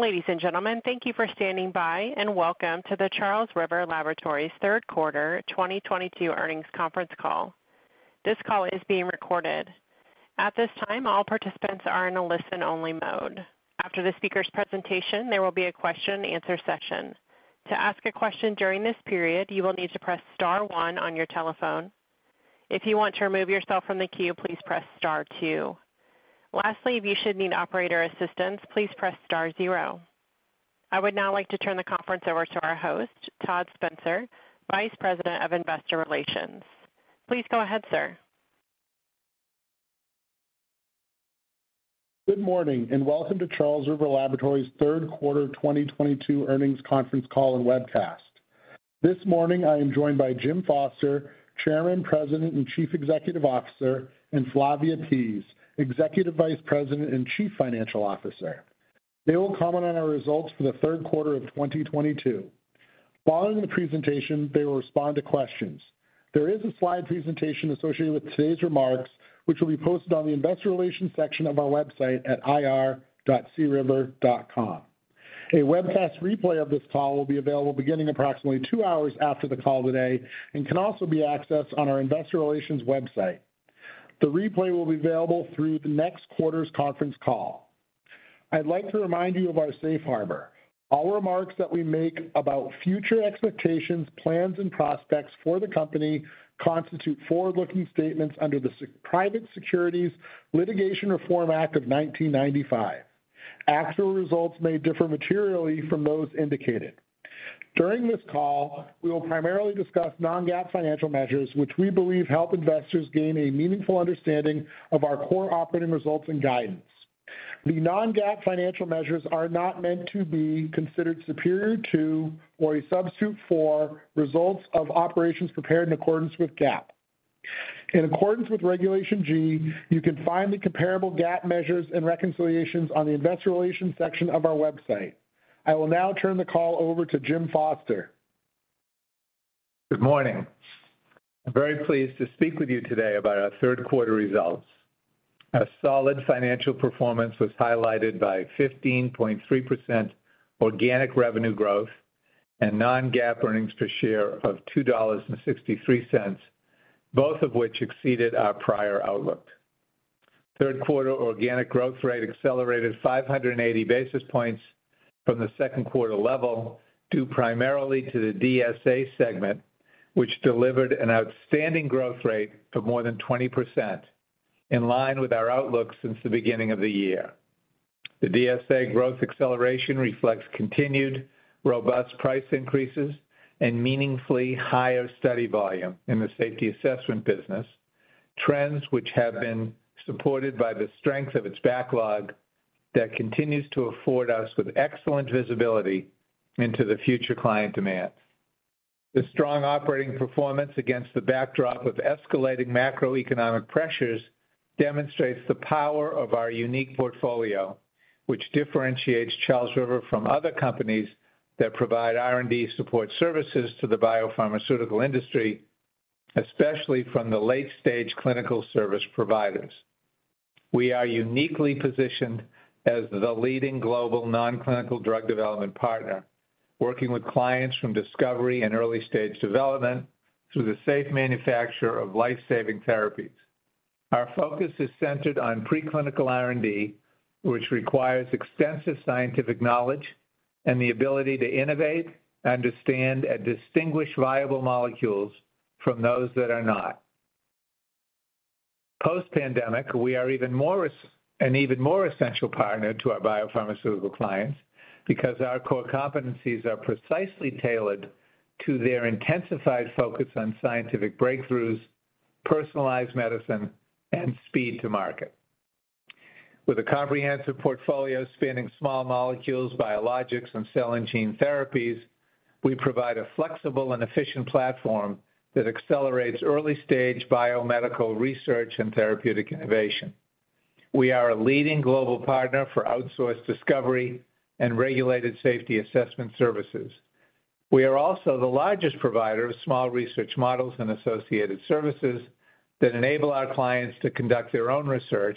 Ladies and gentlemen, thank you for standing by and welcome to the Charles River Laboratories Q3 2022 earnings conference call. This call is being recorded. At this time, all participants are in a listen-only mode. After the speaker's presentation, there will be a question-and-answer session. To ask a question during this period, you will need to press star one on your telephone. If you want to remove yourself from the queue, please press star two. Lastly, if you should need operator assistance, please press star zero. I would now like to turn the conference over to our host, Todd Spencer, Vice President of Investor Relations. Please go ahead, sir. Good morning and welcome to Charles River Laboratories Q3 2022 earnings conference call and webcast. This morning I am joined by Jim Foster, Chairman, President, and Chief Executive Officer, and Flavia Pease, Executive Vice President and Chief Financial Officer. They will comment on our results for the Q3 of 2022. Following the presentation, they will respond to questions. There is a slide presentation associated with today's remarks, which will be posted on the investor relations section of our website at ir.criver.com. A webcast replay of this call will be available beginning approximately two hours after the call today and can also be accessed on our investor relations website. The replay will be available through the next quarter's conference call. I'd like to remind you of our safe harbor. All remarks that we make about future expectations, plans and prospects for the company constitute forward-looking statements under the Private Securities Litigation Reform Act of 1995. Actual results may differ materially from those indicated. During this call, we will primarily discuss non-GAAP financial measures, which we believe help investors gain a meaningful understanding of our core operating results and guidance. The non-GAAP financial measures are not meant to be considered superior to or a substitute for results of operations prepared in accordance with GAAP. In accordance with Regulation G, you can find the comparable GAAP measures and reconciliations on the investor relations section of our website. I will now turn the call over to Jim Foster. Good morning. I'm very pleased to speak with you today about our Q3 results. A solid financial performance was highlighted by 15.3% organic revenue growth and non-GAAP earnings per share of $2.63, both of which exceeded our prior outlook. Q3 organic growth rate accelerated 580 basis points from the Q2 level, due primarily to the DSA segment, which delivered an outstanding growth rate of more than 20%, in line with our outlook since the beginning of the year. The DSA growth acceleration reflects continued robust price increases and meaningfully higher study volume in the safety assessment business, trends which have been supported by the strength of its backlog that continues to afford us with excellent visibility into the future client demand. The strong operating performance against the backdrop of escalating macroeconomic pressures demonstrates the power of our unique portfolio, which differentiates Charles River from other companies that provide R&D support services to the biopharmaceutical industry, especially from the late-stage clinical service providers. We are uniquely positioned as the leading global non-clinical drug development partner, working with clients from discovery and early-stage development through the safe manufacture of life-saving therapies. Our focus is centered on preclinical R&D, which requires extensive scientific knowledge and the ability to innovate, understand, and distinguish viable molecules from those that are not. Post-pandemic, we are an even more essential partner to our biopharmaceutical clients because our core competencies are precisely tailored to their intensified focus on scientific breakthroughs, personalized medicine, and speed to market. With a comprehensive portfolio spanning small molecules, biologics and cell and gene therapies, we provide a flexible and efficient platform that accelerates early-stage biomedical research and therapeutic innovation. We are a leading global partner for outsourced discovery and regulated safety assessment services. We are also the largest provider of small research models and associated services that enable our clients to conduct their own research,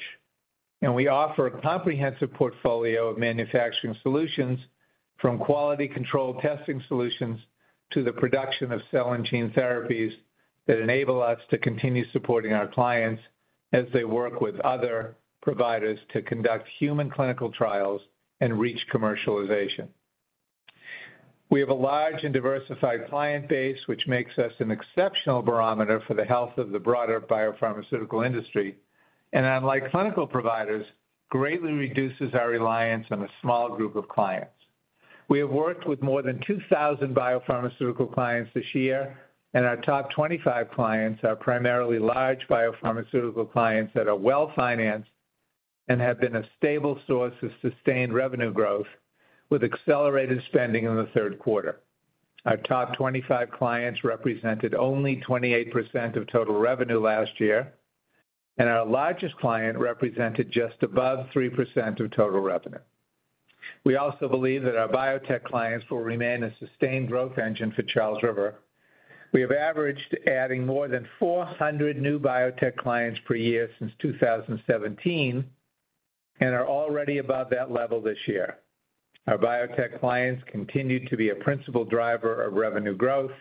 and we offer a comprehensive portfolio of manufacturing solutions from quality control testing solutions to the production of cell and gene therapies that enable us to continue supporting our clients as they work with other providers to conduct human clinical trials and reach commercialization. We have a large and diversified client base, which makes us an exceptional barometer for the health of the broader biopharmaceutical industry, and unlike clinical providers, greatly reduces our reliance on a small group of clients. We have worked with more than 2,000 biopharmaceutical clients this year, and our top 25 clients are primarily large biopharmaceutical clients that are well-financed and have been a stable source of sustained revenue growth, with accelerated spending in the Q3. Our top 25 clients represented only 28% of total revenue last year, and our largest client represented just above 3% of total revenue. We also believe that our biotech clients will remain a sustained growth engine for Charles River. We have averaged adding more than 400 new biotech clients per year since 2017, and are already above that level this year. Our biotech clients continue to be a principal driver of revenue growth,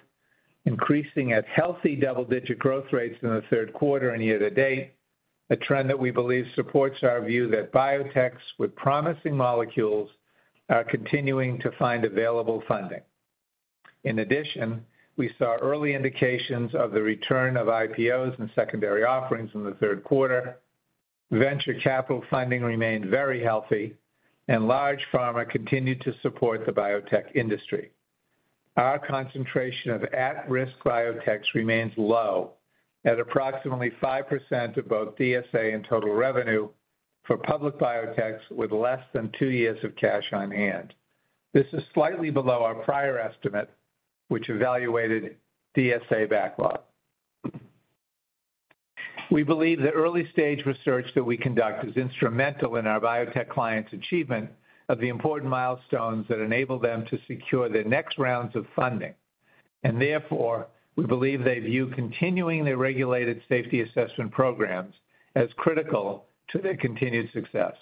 increasing at healthy double-digit growth rates in the Q3 and year-to-date, a trend that we believe supports our view that biotechs with promising molecules are continuing to find available funding. In addition, we saw early indications of the return of IPOs and secondary offerings in the Q3. Venture capital funding remained very healthy, and large pharma continued to support the biotech industry. Our concentration of at-risk biotechs remains low at approximately 5% of both DSA and total revenue for public biotechs with less than two years of cash on hand. This is slightly below our prior estimate, which evaluated DSA backlog. We believe the early-stage research that we conduct is instrumental in our biotech clients' achievement of the important milestones that enable them to secure their next rounds of funding. Therefore, we believe they view continuing their regulated safety assessment programs as critical to their continued success.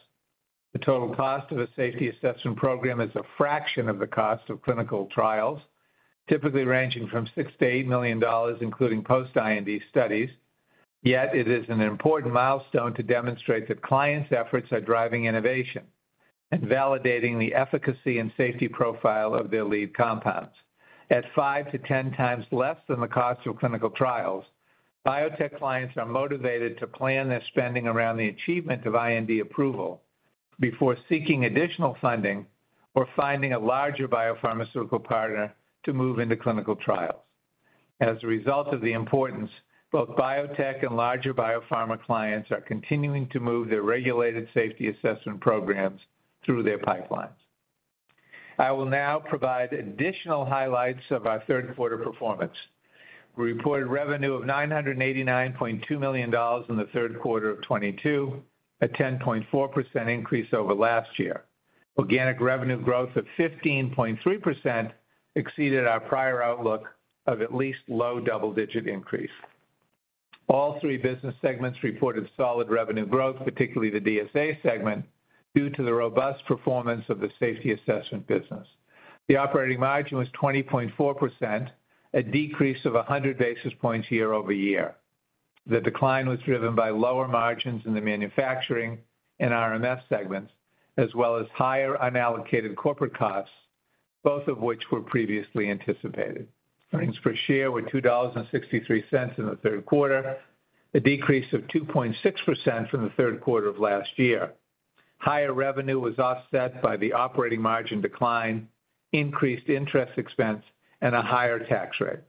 The total cost of a safety assessment program is a fraction of the cost of clinical trials, typically ranging from $6 million-$8 million, including post-IND studies. Yet it is an important milestone to demonstrate that clients' efforts are driving innovation and validating the efficacy and safety profile of their lead compounds. At five to 10 times less than the cost of clinical trials, biotech clients are motivated to plan their spending around the achievement of IND approval before seeking additional funding or finding a larger biopharmaceutical partner to move into clinical trials. As a result of the importance, both biotech and larger biopharma clients are continuing to move their regulated safety assessment programs through their pipelines. I will now provide additional highlights of our Q3 performance. We reported revenue of $989.2 million in the Q3 of 2022, a 10.4% increase over last year. Organic revenue growth of 15.3% exceeded our prior outlook of at least low double-digit increase. All three business segments reported solid revenue growth, particularly the DSA segment, due to the robust performance of the safety assessment business. The operating margin was 20.4%, a decrease of 100 basis points year-over-year. The decline was driven by lower margins in the manufacturing and RMS segments, as well as higher unallocated corporate costs, both of which were previously anticipated. Earnings per share were $2.63 in the Q3, a decrease of 2.6% from the Q3 of last year. Higher revenue was offset by the operating margin decline, increased interest expense, and a higher tax rate.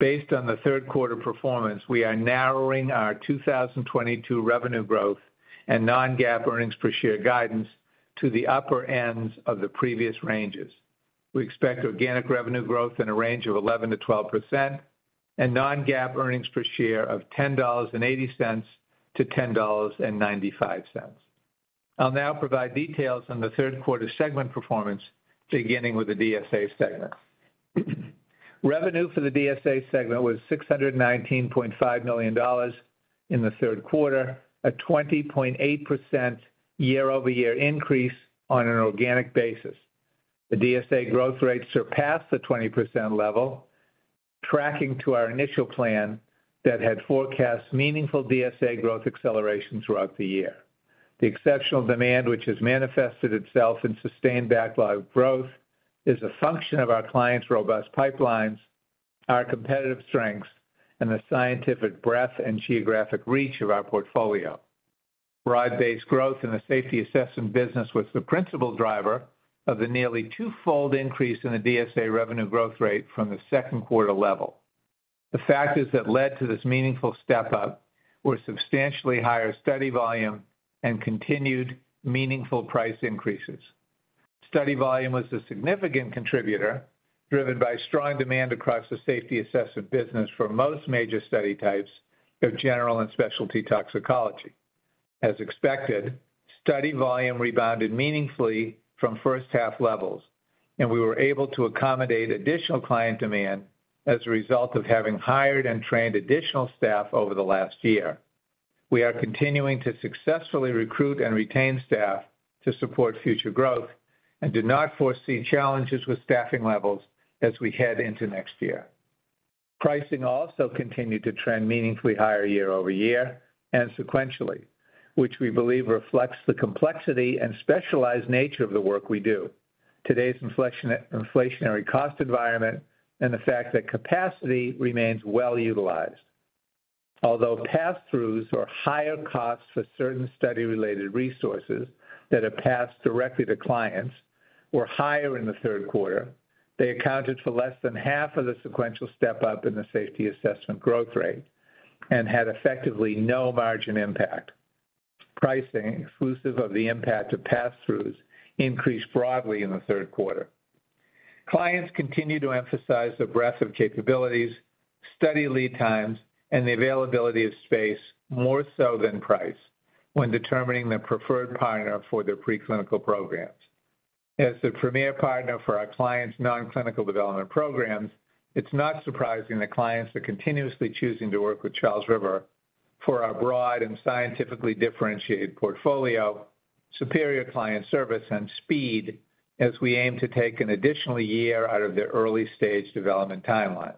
Based on the Q3 performance, we are narrowing our 2022 revenue growth and non-GAAP earnings per share guidance to the upper ends of the previous ranges. We expect organic revenue growth in a range of 11%-12% and non-GAAP earnings per share of $10.80-$10.95. I'll now provide details on the Q3 segment performance, beginning with the DSA segment. Revenue for the DSA segment was $619.5 million in the Q3, a 20.8% year-over-year increase on an organic basis. The DSA growth rate surpassed the 20% level, tracking to our initial plan that had forecast meaningful DSA growth acceleration throughout the year. The exceptional demand, which has manifested itself in sustained backlog growth, is a function of our clients' robust pipelines, our competitive strengths, and the scientific breadth and geographic reach of our portfolio. Broad-based growth in the safety assessment business was the principal driver of the nearly twofold increase in the DSA revenue growth rate from the Q2 level. The factors that led to this meaningful step-up were substantially higher study volume and continued meaningful price increases. Study volume was a significant contributor, driven by strong demand across the safety assessment business for most major study types of general and specialty toxicology. As expected, study volume rebounded meaningfully from first half levels, and we were able to accommodate additional client demand as a result of having hired and trained additional staff over the last year. We are continuing to successfully recruit and retain staff to support future growth and do not foresee challenges with staffing levels as we head into next year. Pricing also continued to trend meaningfully higher year-over-year and sequentially, which we believe reflects the complexity and specialized nature of the work we do, today's inflationary cost environment, and the fact that capacity remains well-utilized. Although passthroughs or higher costs for certain study-related resources that are passed directly to clients were higher in the Q3, they accounted for less than half of the sequential step-up in the safety assessment growth rate and had effectively no margin impact. Pricing, exclusive of the impact of passthroughs, increased broadly in the Q3. Clients continue to emphasize the breadth of capabilities, study lead times, and the availability of space more so than price when determining their preferred partner for their preclinical programs. As the premier partner for our clients' non-clinical development programs, it's not surprising that clients are continuously choosing to work with Charles River for our broad and scientifically differentiated portfolio, superior client service, and speed as we aim to take an additional year out of their early-stage development timelines.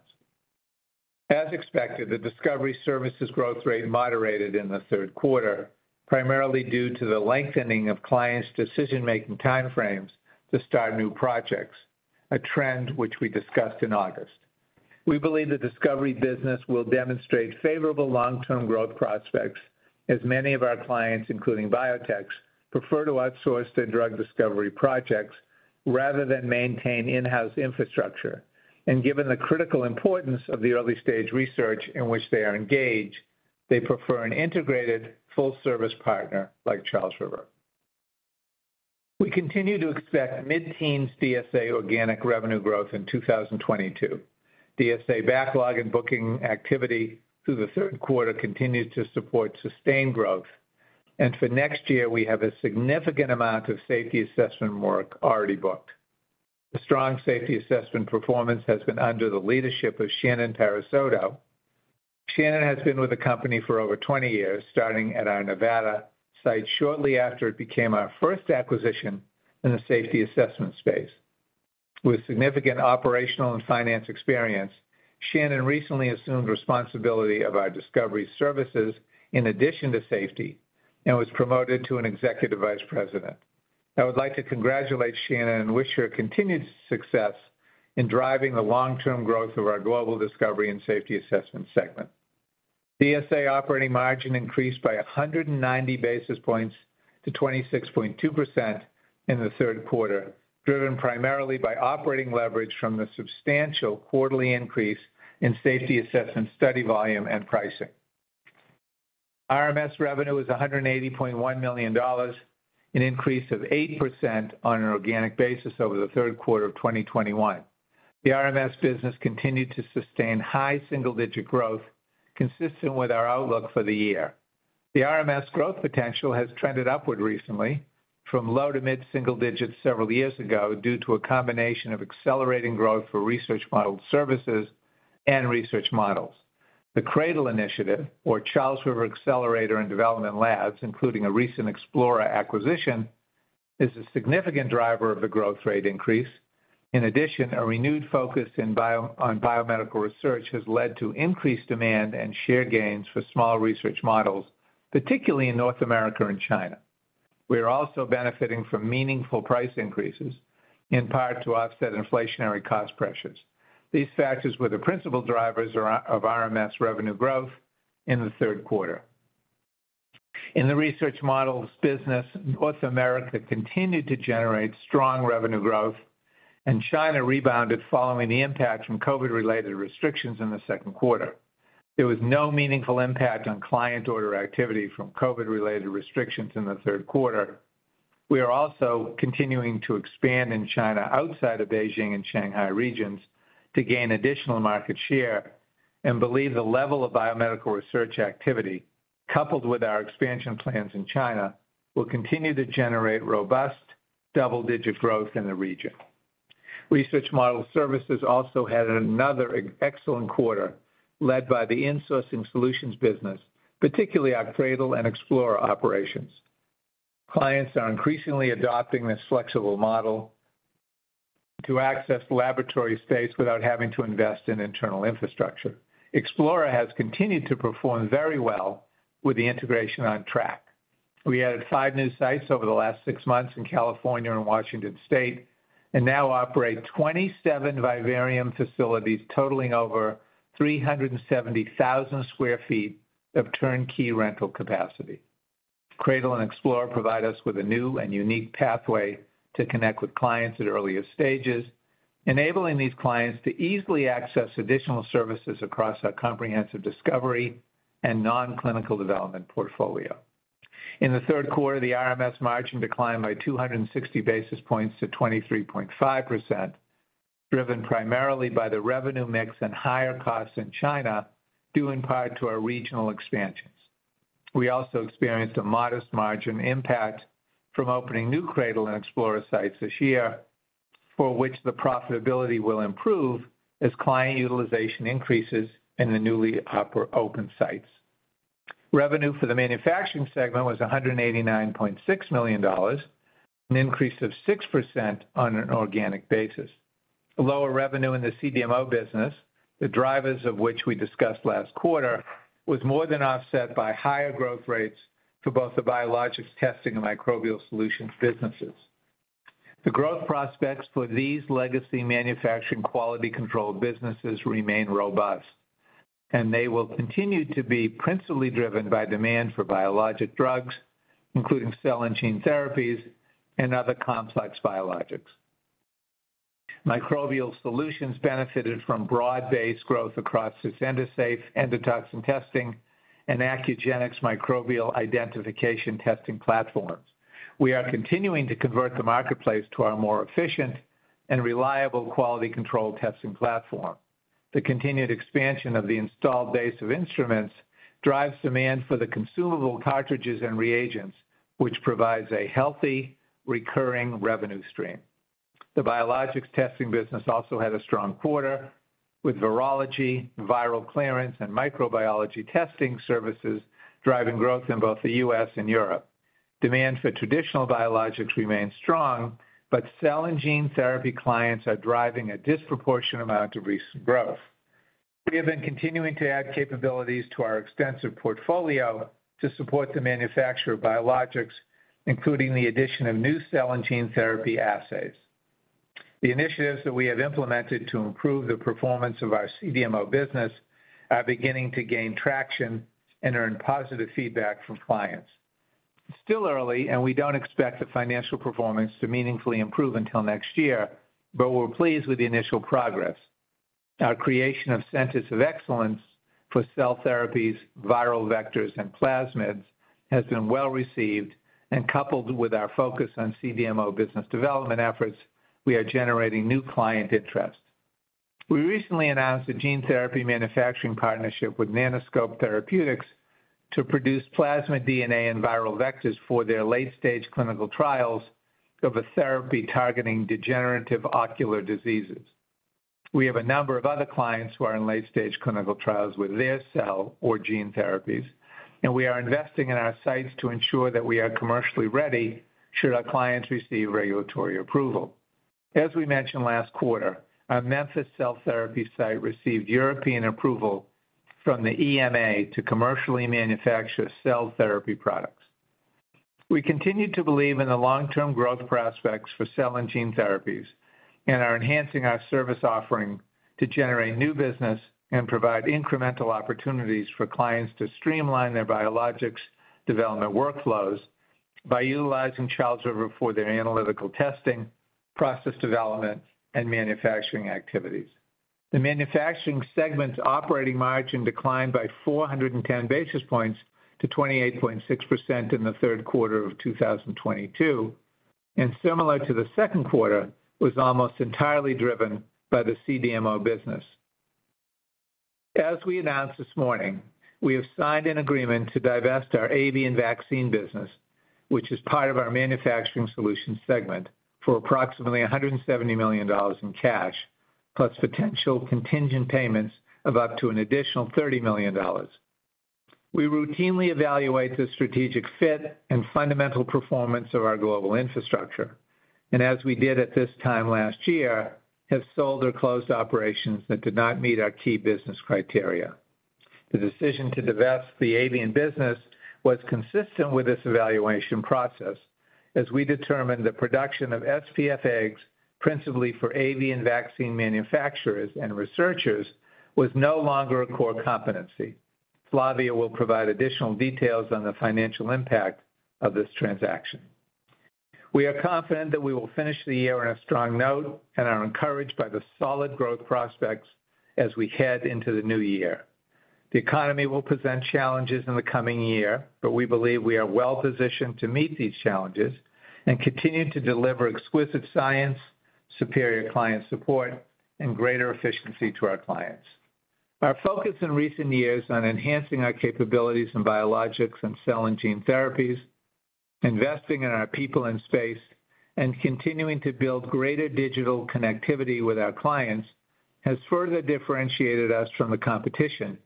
As expected, the discovery services growth rate moderated in the Q3, primarily due to the lengthening of clients' decision-making time frames to start new projects, a trend which we discussed in August. We believe the discovery business will demonstrate favorable long-term growth prospects as many of our clients, including biotechs, prefer to outsource their drug discovery projects rather than maintain in-house infrastructure. Given the critical importance of the early-stage research in which they are engaged, they prefer an integrated full-service partner like Charles River. We continue to expect mid-teens DSA organic revenue growth in 2022. DSA backlog and booking activity through the Q3 continued to support sustained growth. For next year, we have a significant amount of safety assessment work already booked. The strong safety assessment performance has been under the leadership of Shannon Parisotto. Shannon has been with the company for over 20 years, starting at our Nevada site shortly after it became our first acquisition in the safety assessment space. With significant operational and finance experience, Shannon recently assumed responsibility of our discovery services in addition to safety, and was promoted to an Executive Vice President. I would like to congratulate Shannon and wish her continued success in driving the long-term growth of our global discovery and safety assessment segment. DSA operating margin increased by 190 basis points to 26.2% in the Q3, driven primarily by operating leverage from the substantial quarterly increase in safety assessment study volume and pricing. RMS revenue was $180.1 million, an increase of 8% on an organic basis over the Q3 of 2021. The RMS business continued to sustain high single-digit growth consistent with our outlook for the year. The RMS growth potential has trended upward recently from low to mid single digits several years ago due to a combination of accelerating growth for research model services and research models. The CRADL initiative, or Charles River Accelerator and Development Labs, including a recent Explora acquisition, is a significant driver of the growth rate increase. In addition, a renewed focus on biomedical research has led to increased demand and share gains for small research models, particularly in North America and China. We are also benefiting from meaningful price increases, in part to offset inflationary cost pressures. These factors were the principal drivers of RMS revenue growth in the Q3. In the research models business, North America continued to generate strong revenue growth, and China rebounded following the impact from COVID-related restrictions in the Q2. There was no meaningful impact on client order activity from COVID-related restrictions in the Q3. We are also continuing to expand in China outside of Beijing and Shanghai regions to gain additional market share, and believe the level of biomedical research activity, coupled with our expansion plans in China, will continue to generate robust double-digit growth in the region. Research model services also had another excellent quarter led by the insourcing solutions business, particularly our CRADL and Explora operations. Clients are increasingly adopting this flexible model to access laboratory space without having to invest in internal infrastructure. Explora has continued to perform very well with the integration on track. We added five new sites over the last six months in California and Washington State, and now operate 27 vivarium facilities totaling over 370,000 sq ft of turnkey rental capacity. CRADL and Explora provide us with a new and unique pathway to connect with clients at earlier stages, enabling these clients to easily access additional services across our comprehensive discovery and non-clinical development portfolio. In the Q3, the RMS margin declined by 260 basis points to 23.5%, driven primarily by the revenue mix and higher costs in China, due in part to our regional expansions. We also experienced a modest margin impact from opening new CRADL and Explora sites this year, for which the profitability will improve as client utilization increases in the newly opened sites. Revenue for the manufacturing segment was $189.6 million, an increase of 6% on an organic basis. Lower revenue in the CDMO business, the drivers of which we discussed last quarter, was more than offset by higher growth rates for both the biologics testing and microbial solutions businesses. The growth prospects for these legacy manufacturing quality control businesses remain robust, and they will continue to be principally driven by demand for biologic drugs, including cell and gene therapies and other complex biologics. Microbial solutions benefited from broad-based growth across Endosafe, endotoxin testing, and Accugenix microbial identification testing platforms. We are continuing to convert the marketplace to our more efficient and reliable quality control testing platform. The continued expansion of the installed base of instruments drives demand for the consumable cartridges and reagents, which provides a healthy recurring revenue stream. The biologics testing business also had a strong quarter, with virology, viral clearance, and microbiology testing services driving growth in both the U.S. and Europe. Demand for traditional biologics remains strong, but cell and gene therapy clients are driving a disproportionate amount of recent growth. We have been continuing to add capabilities to our extensive portfolio to support the manufacture of biologics, including the addition of new cell and gene therapy assays. The initiatives that we have implemented to improve the performance of our CDMO business are beginning to gain traction and earn positive feedback from clients. It's still early, and we don't expect the financial performance to meaningfully improve until next year, but we're pleased with the initial progress. Our creation of centers of excellence for cell therapies, viral vectors, and plasmids has been well-received. Coupled with our focus on CDMO business development efforts, we are generating new client interest. We recently announced a gene therapy manufacturing partnership with Nanoscope Therapeutics to produce plasmid DNA and viral vectors for their late-stage clinical trials of a therapy targeting degenerative ocular diseases. We have a number of other clients who are in late-stage clinical trials with their cell or gene therapies, and we are investing in our sites to ensure that we are commercially ready should our clients receive regulatory approval. As we mentioned last quarter, our Memphis cell therapy site received European approval from the EMA to commercially manufacture cell therapy products. We continue to believe in the long-term growth prospects for cell and gene therapies and are enhancing our service offering to generate new business and provide incremental opportunities for clients to streamline their biologics development workflows by utilizing Charles River for their analytical testing, process development, and manufacturing activities. The manufacturing segment's operating margin declined by 410 basis points to 28.6% in the Q3 of 2022, and similar to the Q2, was almost entirely driven by the CDMO business. As we announced this morning, we have signed an agreement to divest our Avian Vaccine business, which is part of our manufacturing solutions segment, for approximately $170 million in cash, plus potential contingent payments of up to an additional $30 million. We routinely evaluate the strategic fit and fundamental performance of our global infrastructure, and as we did at this time last year, have sold or closed operations that did not meet our key business criteria. The decision to divest the avian business was consistent with this evaluation process, as we determined the production of SPF eggs, principally for avian vaccine manufacturers and researchers, was no longer a core competency. Flavia will provide additional details on the financial impact of this transaction. We are confident that we will finish the year on a strong note and are encouraged by the solid growth prospects as we head into the new year. The economy will present challenges in the coming year, but we believe we are well-positioned to meet these challenges and continue to deliver exquisite science, superior client support, and greater efficiency to our clients. Our focus in recent years on enhancing our capabilities in biologics and cell and gene therapies, investing in our people and space, and continuing to build greater digital connectivity with our clients has further differentiated us from the competition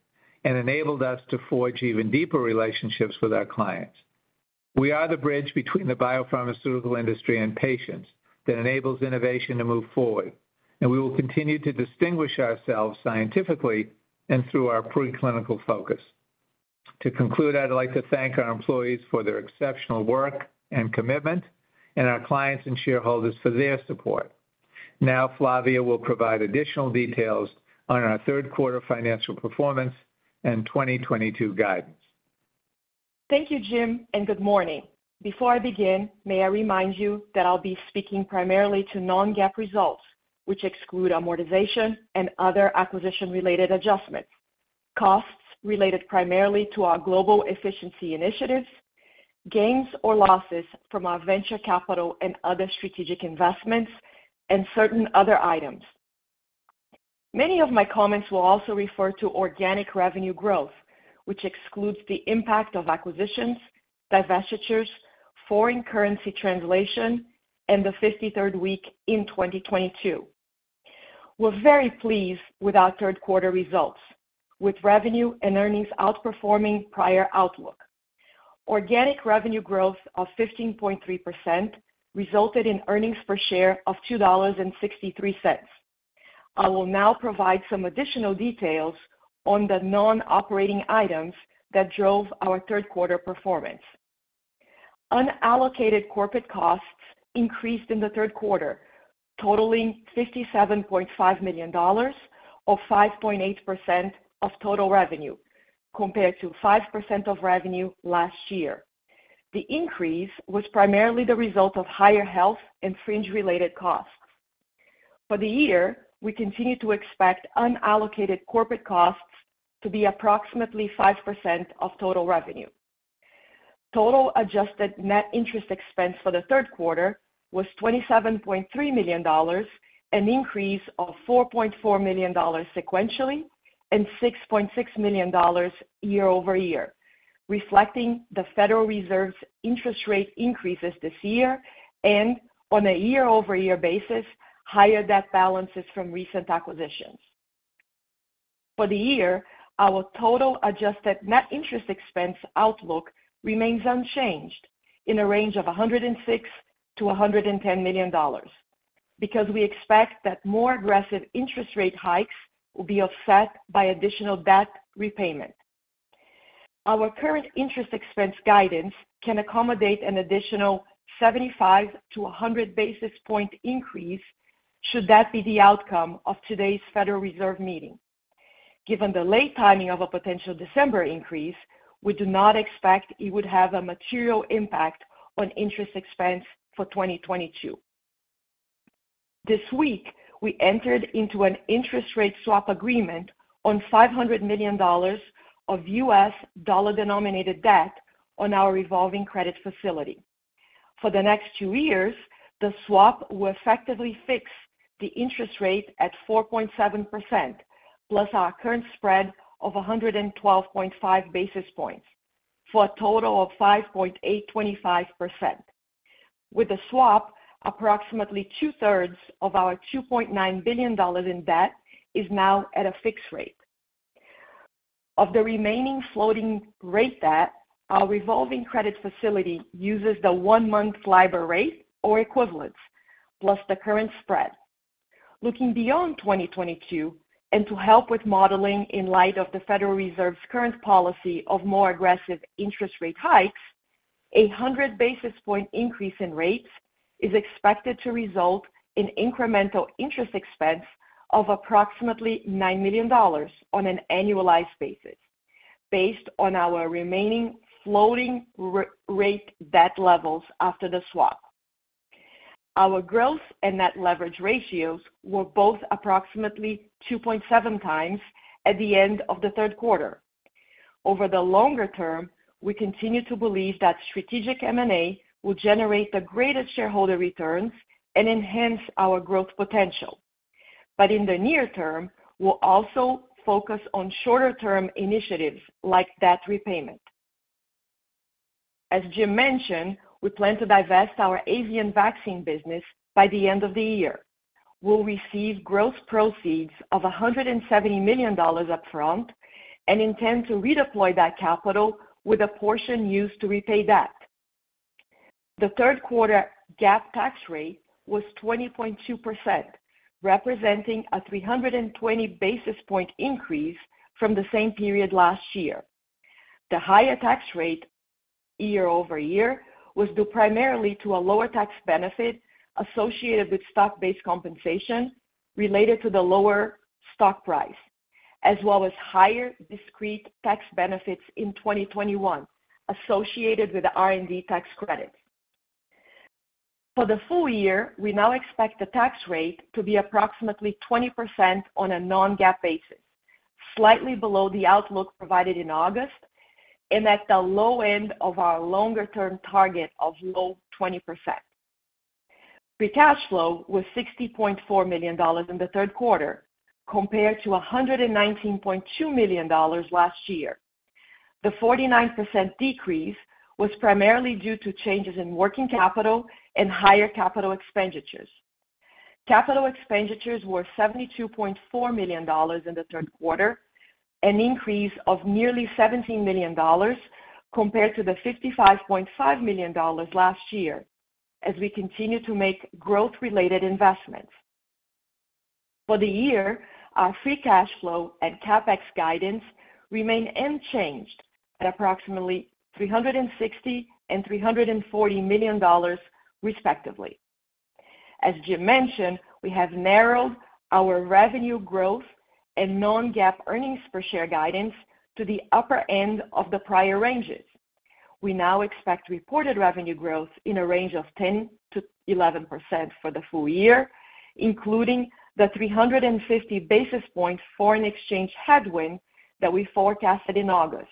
and enabled us to forge even deeper relationships with our clients. We are the bridge between the biopharmaceutical industry and patients that enables innovation to move forward, and we will continue to distinguish ourselves scientifically and through our preclinical focus. To conclude, I'd like to thank our employees for their exceptional work and commitment, and our clients and shareholders for their support. Now Flavia will provide additional details on our Q3 financial performance and 2022 guidance. Thank you, Jim, and good morning. Before I begin, may I remind you that I'll be speaking primarily to non-GAAP results, which exclude amortization and other acquisition-related adjustments, costs related primarily to our global efficiency initiatives, gains or losses from our venture capital and other strategic investments, and certain other items. Many of my comments will also refer to organic revenue growth, which excludes the impact of acquisitions, divestitures, foreign currency translation, and the 53rd week in 2022. We're very pleased with our Q3 results, with revenue and earnings outperforming prior outlook. Organic revenue growth of 15.3% resulted in earnings per share of $2.63. I will now provide some additional details on the non-operating items that drove our Q3 performance. Unallocated corporate costs increased in the Q3, totaling $57.5 million or 5.8% of total revenue, compared to 5% of revenue last year. The increase was primarily the result of higher health and fringe-related costs. For the year, we continue to expect unallocated corporate costs to be approximately 5% of total revenue. Total adjusted net interest expense for the Q3 was $27.3 million, an increase of $4.4 million sequentially and $6.6 million year-over-year, reflecting the Federal Reserve's interest rate increases this year and on a year-over-year basis, higher debt balances from recent acquisitions. For the year, our total adjusted net interest expense outlook remains unchanged in a range of $106 million-$110 million because we expect that more aggressive interest rate hikes will be offset by additional debt repayment. Our current interest expense guidance can accommodate an additional 75-100 basis point increase should that be the outcome of today's Federal Reserve meeting. Given the late timing of a potential December increase, we do not expect it would have a material impact on interest expense for 2022. This week we entered into an interest rate swap agreement on $500 million of U.S. dollar-denominated debt on our revolving credit facility. For the next two years, the swap will effectively fix the interest rate at 4.7%, plus our current spread of 112.5 basis points, for a total of 5.825%. With the swap, approximately 2/3 of our $2.9 billion in debt is now at a fixed rate. Of the remaining floating rate debt, our revolving credit facility uses the one-month LIBOR rate or equivalents, plus the current spread. Looking beyond 2022 and to help with modeling in light of the Federal Reserve's current policy of more aggressive interest rate hikes, 100 basis point increase in rates is expected to result in incremental interest expense of approximately $9 million on an annualized basis based on our remaining floating rate debt levels after the swap. Our growth and net leverage ratios were both approximately 2.7x at the end of the Q3. Over the longer term, we continue to believe that strategic M&A will generate the greatest shareholder returns and enhance our growth potential. In the near term, we'll also focus on shorter-term initiatives like debt repayment. As Jim mentioned, we plan to divest our Avian Vaccine business by the end of the year. We'll receive gross proceeds of $170 million upfront and intend to redeploy that capital with a portion used to repay debt. The Q3 GAAP tax rate was 20.2%, representing a 320-basis point increase from the same period last year. The higher tax rate year-over-year was due primarily to a lower tax benefit associated with stock-based compensation related to the lower stock price, as well as higher discrete tax benefits in 2021 associated with R&D tax credits. For the full year, we now expect the tax rate to be approximately 20% on a non-GAAP basis, slightly below the outlook provided in August and at the low end of our longer-term target of low 20%. Free cash flow was $60.4 million in the Q3 compared to $119.2 million last year. The 49% decrease was primarily due to changes in working capital and higher capital expenditures. Capital expenditures were $72.4 million in the Q3, an increase of nearly $17 million compared to the $55.5 million last year as we continue to make growth-related investments. For the year, our free cash flow and CapEx guidance remain unchanged at approximately $360 million and $340 million, respectively. As Jim mentioned, we have narrowed our revenue growth and non-GAAP earnings per share guidance to the upper end of the prior ranges. We now expect reported revenue growth in a range of 10%-11% for the full year, including the 350 basis points foreign exchange headwind that we forecasted in August.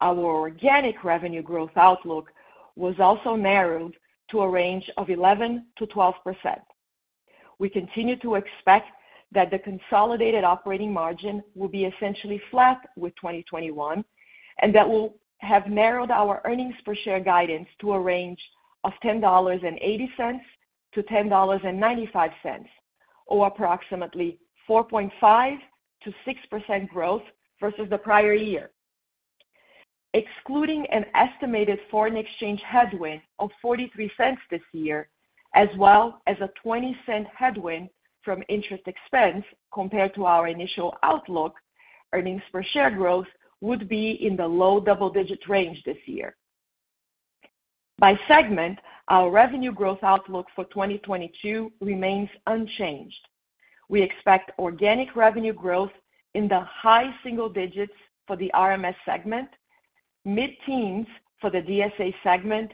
Our organic revenue growth outlook was also narrowed to a range of 11%-12%. We continue to expect that the consolidated operating margin will be essentially flat with 2021, and that we'll have narrowed our earnings per share guidance to a range of $10.80-$10.95, or approximately 4.5%-6% growth versus the prior year. Excluding an estimated foreign exchange headwind of $0.43 this year as well as a $0.20 headwind from interest expense compared to our initial outlook, earnings per share growth would be in the low double-digit range this year. By segment, our revenue growth outlook for 2022 remains unchanged. We expect organic revenue growth in the high single digits for the RMS segment, mid-teens for the DSA segment,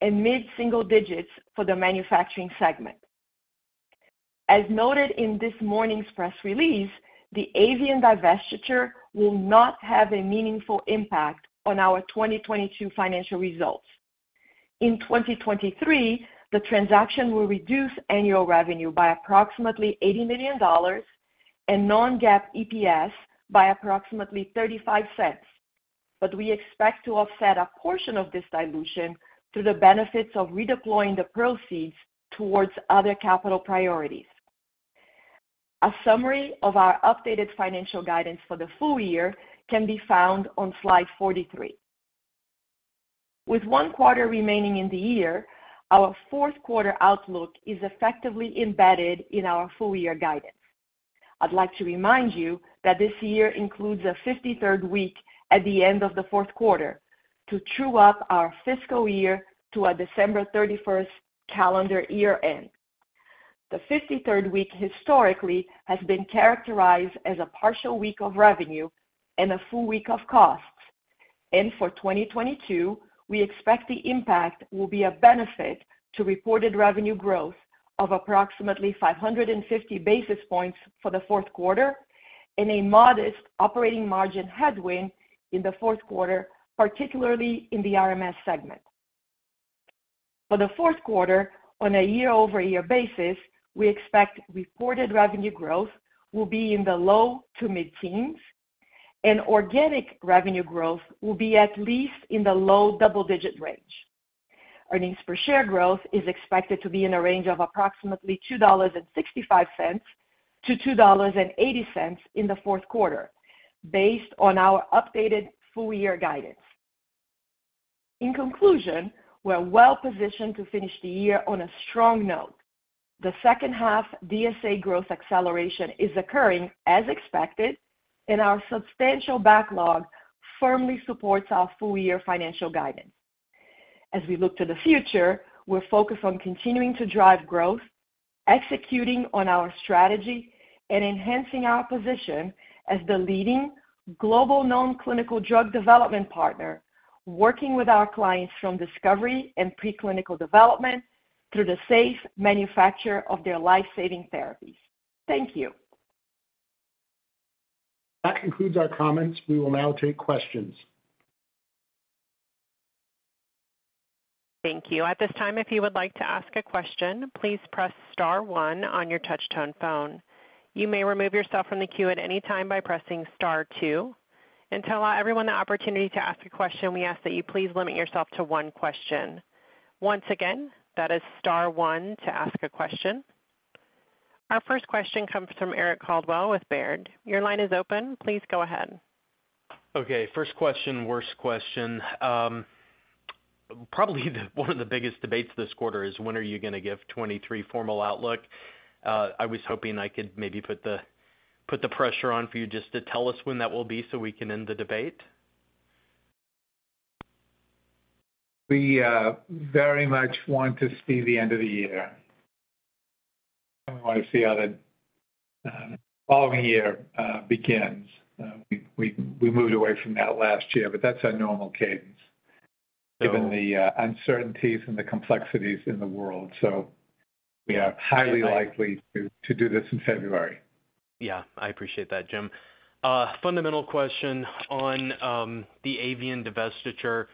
and mid-single digits for the manufacturing segment. As noted in this morning's press release, the Avian divestiture will not have a meaningful impact on our 2022 financial results. In 2023, the transaction will reduce annual revenue by approximately $80 million and non-GAAP EPS by approximately $0.35. We expect to offset a portion of this dilution through the benefits of redeploying the proceeds towards other capital priorities. A summary of our updated financial guidance for the full year can be found on slide 43. With one quarter remaining in the year, our Q4 outlook is effectively embedded in our full year guidance. I'd like to remind you that this year includes a 53rd week at the end of the Q4 to true up our fiscal year to a December 31st calendar year end. The 53rd week historically has been characterized as a partial week of revenue and a full week of costs. For 2022, we expect the impact will be a benefit to reported revenue growth of approximately 550 basis points for the Q4 and a modest operating margin headwind in the Q4, particularly in the RMS segment. For the Q4, on a year-over-year basis, we expect reported revenue growth will be in the low to mid-teens, and organic revenue growth will be at least in the low double-digit range. Earnings per share growth is expected to be in a range of approximately $2.65-$2.80 in the Q4, based on our updated full year guidance. In conclusion, we're well-positioned to finish the year on a strong note. The second half DSA growth acceleration is occurring as expected, and our substantial backlog firmly supports our full year financial guidance. As we look to the future, we're focused on continuing to drive growth, executing on our strategy, and enhancing our position as the leading global non-clinical drug development partner, working with our clients from discovery and preclinical development through the safe manufacture of their life-saving therapies. Thank you. That concludes our comments. We will now take questions. Thank you. At this time, if you would like to ask a question, please press star one on your touch-tone phone. You may remove yourself from the queue at any time by pressing star two. To allow everyone the opportunity to ask a question, we ask that you please limit yourself to one question. Once again, that is star one to ask a question. Our first question comes from Eric Coldwell with Baird. Your line is open. Please go ahead. Okay, first question, worst question. Probably one of the biggest debates this quarter is when are you going to give 2023 formal outlook? I was hoping I could maybe put the pressure on for you just to tell us when that will be so we can end the debate. We very much want to see the end of the year. We want to see how the following year begins. We moved away from that last year, but that's our normal cadence given the uncertainties and the complexities in the world. We are highly likely to do this in February. Yeah, I appreciate that, Jim. Fundamental question on the Avian divestiture.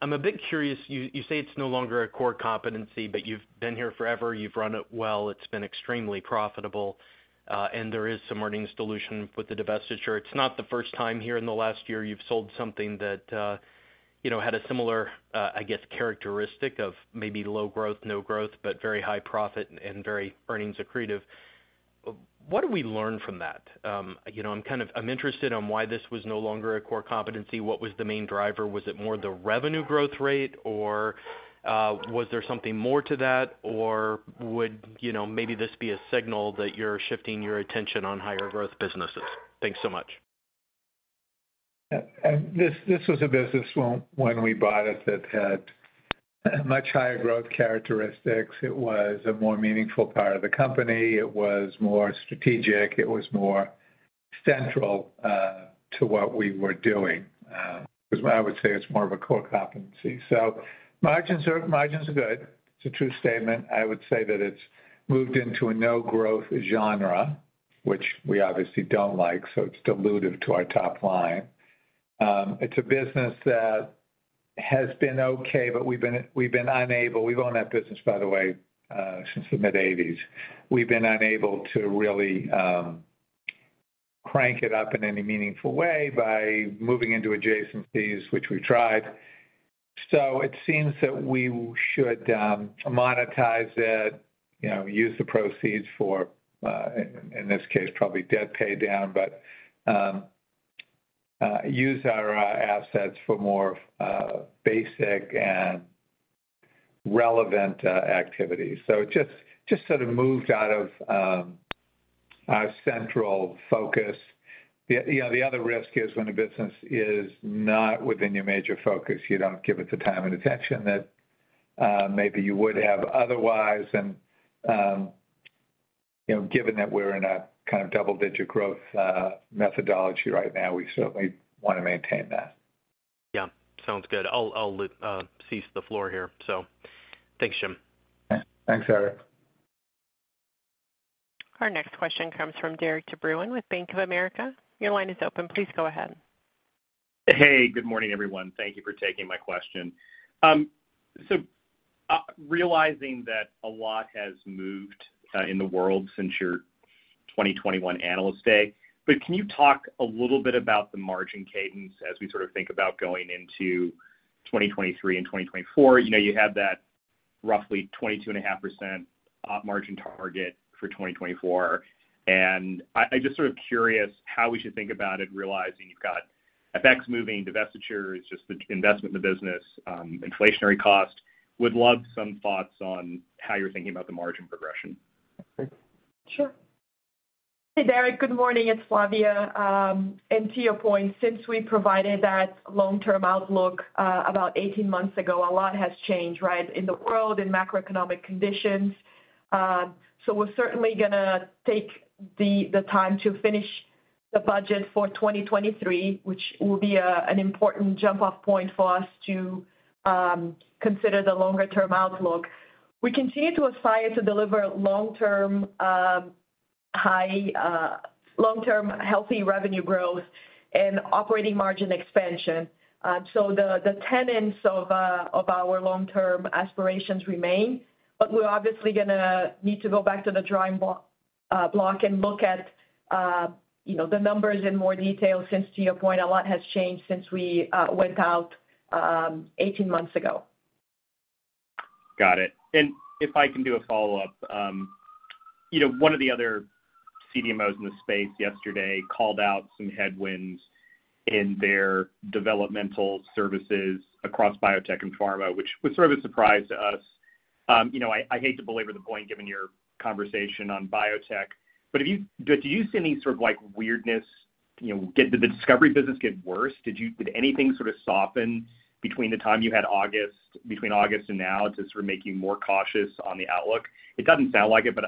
I'm a bit curious, you say it's no longer a core competency, but you've been here forever. You've run it well. It's been extremely profitable, and there is some earnings dilution with the divestiture. It's not the first time here in the last year you've sold something that you know had a similar I guess characteristic of maybe low growth, no growth, but very high profit and very earnings accretive. What do we learn from that? I'm interested on why this was no longer a core competency. What was the main driver? Was it more the revenue growth rate, or was there something more to that? Or would maybe this be a signal that you're shifting your attention on higher growth businesses? Thanks so much. This was a business when we bought it that had much higher growth characteristics. It was a more meaningful part of the company. It was more strategic. It was more central to what we were doing. Because I would say it's more of a core competency. Margins are good. It's a true statement. I would say that it's moved into a no-growth genre, which we obviously don't like. It's dilutive to our top line. It's a business that has been okay, but we've been unable. We've owned that business, by the way, since the mid-80s. We've been unable to really crank it up in any meaningful way by moving into adjacencies, which we've tried. It seems that we should monetize it, you know, use the proceeds for, in this case, probably debt pay down, but use our assets for more basic and relevant activities. It just sort of moved out of our central focus. You know, the other risk is when a business is not within your major focus, you don't give it the time and attention that maybe you would have otherwise. You know, given that we're in a kind of double-digit growth methodology right now, we certainly want to maintain that. Yeah. Sounds good. I'll cede the floor here. Thanks, Jim. Thanks, Eric. Our next question comes from Derik de Bruin with Bank of America. Your line is open. Please go ahead. Hey, good morning, everyone. Thank you for taking my question. Realizing that a lot has moved in the world since your 2021 Analyst Day, but can you talk a little bit about the margin cadence as we sort of think about going into 2023 and 2024? You know, you have that roughly 22.5% op margin target for 2024. I'm just sort of curious how we should think about it, realizing you've got effects moving, divestitures, just the investment in the business, inflationary cost. Would love some thoughts on how you're thinking about the margin progression. Thanks. Sure. Hey, Derik. Good morning. It's Flavia. To your point, since we provided that long-term outlook about 18 months ago, a lot has changed, right? In the world, in macroeconomic conditions. We're certainly gonna take the time to finish the budget for 2023, which will be an important jump-off point for us to consider the longer-term outlook. We continue to aspire to deliver long-term high long-term healthy revenue growth and operating margin expansion. The tenets of our long-term aspirations remain, but we're obviously gonna need to go back to the drawing block and look at, you know, the numbers in more detail since, to your point, a lot has changed since we went out 18 months ago. Got it. If I can do a follow-up, you know, one of the other CDMOs in the space yesterday called out some headwinds in their developmental services across biotech and pharma, which was sort of a surprise to us. You know, I hate to belabor the point, given your conversation on biotech, but do you see any sort of, like, weirdness, you know, get the discovery business get worse? Did anything sort of soften between August and now to sort of make you more cautious on the outlook? It doesn't sound like it, but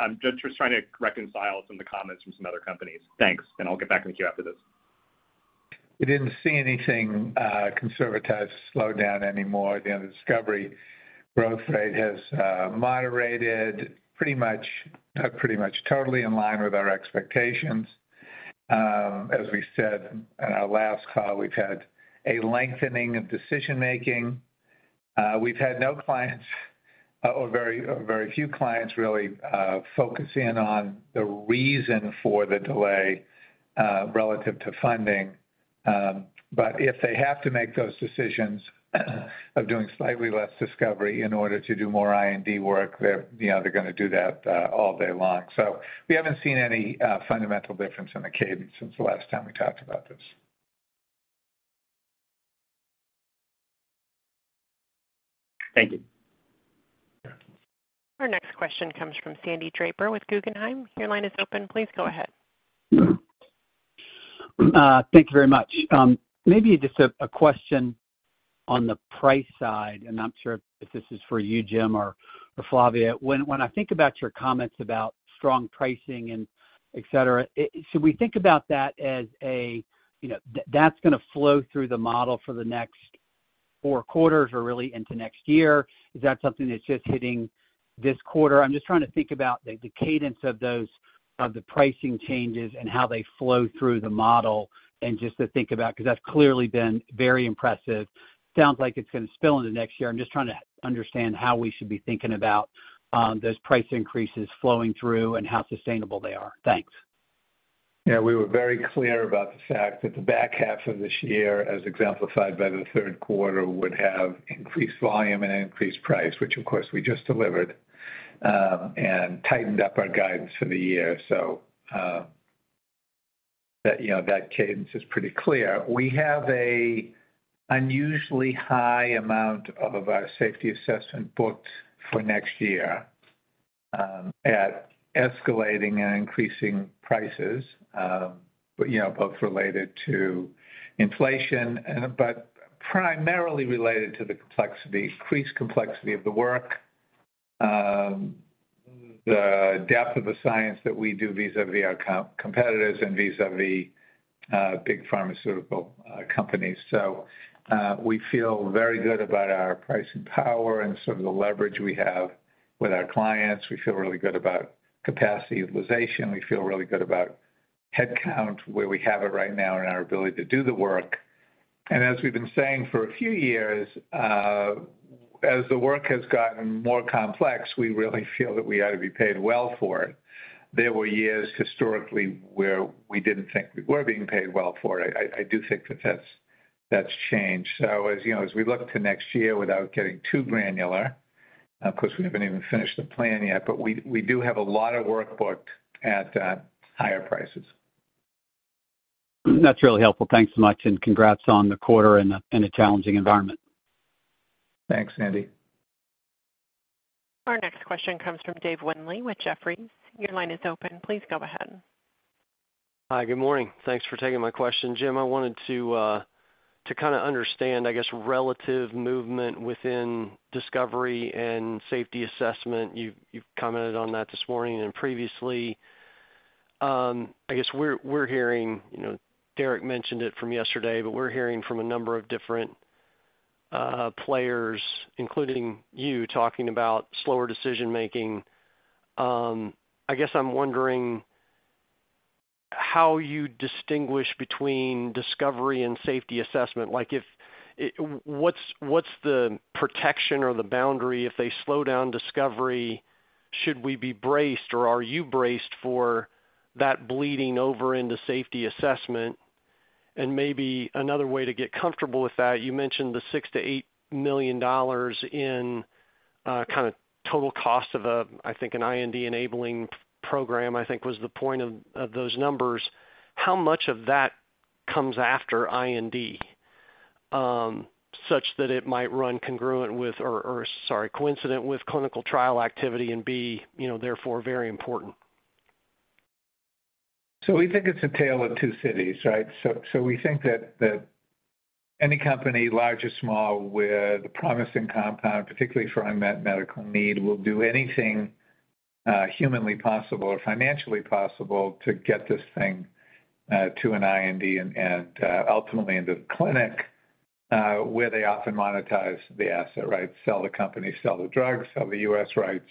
I'm just trying to reconcile some of the comments from some other companies. Thanks. I'll get back in the queue after this. We didn't see anything conservative slow down anymore. The discovery growth rate has moderated pretty much totally in line with our expectations. As we said in our last call, we've had a lengthening of decision-making. We've had no clients or very few clients really focus in on the reason for the delay relative to funding. But if they have to make those decisions of doing slightly less discovery in order to do more R&D work, they're, you know, they're gonna do that all day long. We haven't seen any fundamental difference in the cadence since the last time we talked about this. Thank you. Yeah. Our next question comes from Sandy Draper with Guggenheim. Your line is open. Please go ahead. Thank you very much. Maybe just a question on the price side, and I'm not sure if this is for you, Jim or Flavia. When I think about your comments about strong pricing and et cetera, should we think about that as, you know, that's gonna flow through the model for the next four quarters or really into next year? Is that something that's just hitting this quarter? I'm just trying to think about the cadence of those pricing changes and how they flow through the model and just to think about, 'cause that's clearly been very impressive. Sounds like it's gonna spill into next year. I'm just trying to understand how we should be thinking about those price increases flowing through and how sustainable they are. Thanks. Yeah, we were very clear about the fact that the back half of this year, as exemplified by the Q3, would have increased volume and increased price, which of course we just delivered, and tightened up our guidance for the year. That, you know, that cadence is pretty clear. We have an unusually high amount of our safety assessment booked for next year, at escalating and increasing prices, but, you know, both related to inflation, but primarily related to the complexity, increased complexity of the work, the depth of the science that we do vis-à-vis our competitors and vis-à-vis big pharmaceutical companies. We feel very good about our pricing power and sort of the leverage we have with our clients. We feel really good about capacity utilization. We feel really good about headcount, where we have it right now and our ability to do the work. As we've been saying for a few years, as the work has gotten more complex, we really feel that we ought to be paid well for it. There were years historically where we didn't think we were being paid well for it. I do think that that's changed. As you know, as we look to next year without getting too granular, of course, we haven't even finished the plan yet, but we do have a lot of work booked at higher prices. That's really helpful. Thanks so much, and congrats on the quarter in a challenging environment. Thanks, Sandy. Our next question comes from Dave Windley with Jefferies. Your line is open. Please go ahead. Hi, good morning. Thanks for taking my question. Jim, I wanted to kind of understand, I guess, relative movement within discovery and safety assessment. You've commented on that this morning and previously. I guess we're hearing, you know, Derik mentioned it from yesterday, but we're hearing from a number of different players, including you talking about slower decision-making. I guess I'm wondering how you distinguish between discovery and safety assessment. Like, what's the protection or the boundary if they slow down discovery, should we be braced, or are you braced for that bleeding over into safety assessment? Maybe another way to get comfortable with that, you mentioned the $6 million-$8 million in kind of total cost of an IND-enabling program, I think was the point of those numbers. How much of that comes after IND, such that it might run concurrent with or, sorry, coincident with clinical trial activity and be, you know, therefore very important? We think it's a tale of two cities, right? We think that any company, large or small, with a promising compound, particularly for unmet medical need, will do anything humanly possible or financially possible to get this thing to an IND and ultimately into the clinic, where they often monetize the asset, right? Sell the company, sell the drug, sell the U.S. rights,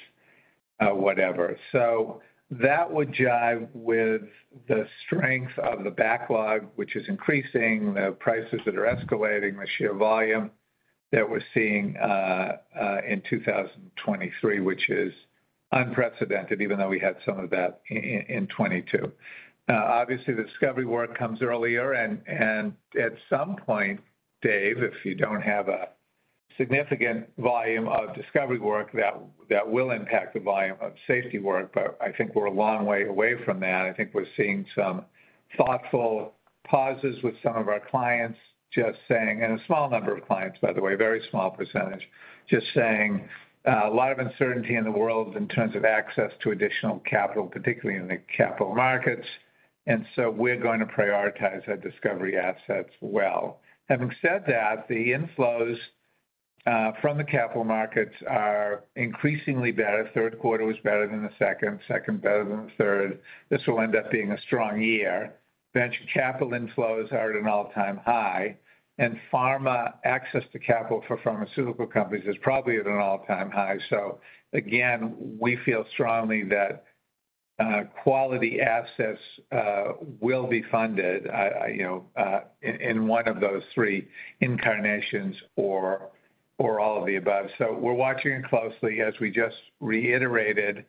whatever. That would jive with the strength of the backlog, which is increasing, the prices that are escalating, the sheer volume that we're seeing in 2023, which is unprecedented, even though we had some of that in 2022. Obviously the discovery work comes earlier and at some point, Dave, if you don't have a significant volume of discovery work, that will impact the volume of safety work. I think we're a long way away from that. I think we're seeing some thoughtful pauses with some of our clients just saying, and a small number of clients, by the way, very small percentage, just saying, a lot of uncertainty in the world in terms of access to additional capital, particularly in the capital markets. We're going to prioritize our discovery assets well. Having said that, the inflows from the capital markets are increasingly better. Q3 was better than the second better than the first. This will end up being a strong year. Venture capital inflows are at an all-time high. Pharma access to capital for pharmaceutical companies is probably at an all-time high. Again, we feel strongly that quality assets will be funded, you know, in one of those three incarnations or all of the above. We're watching it closely, as we just reiterated,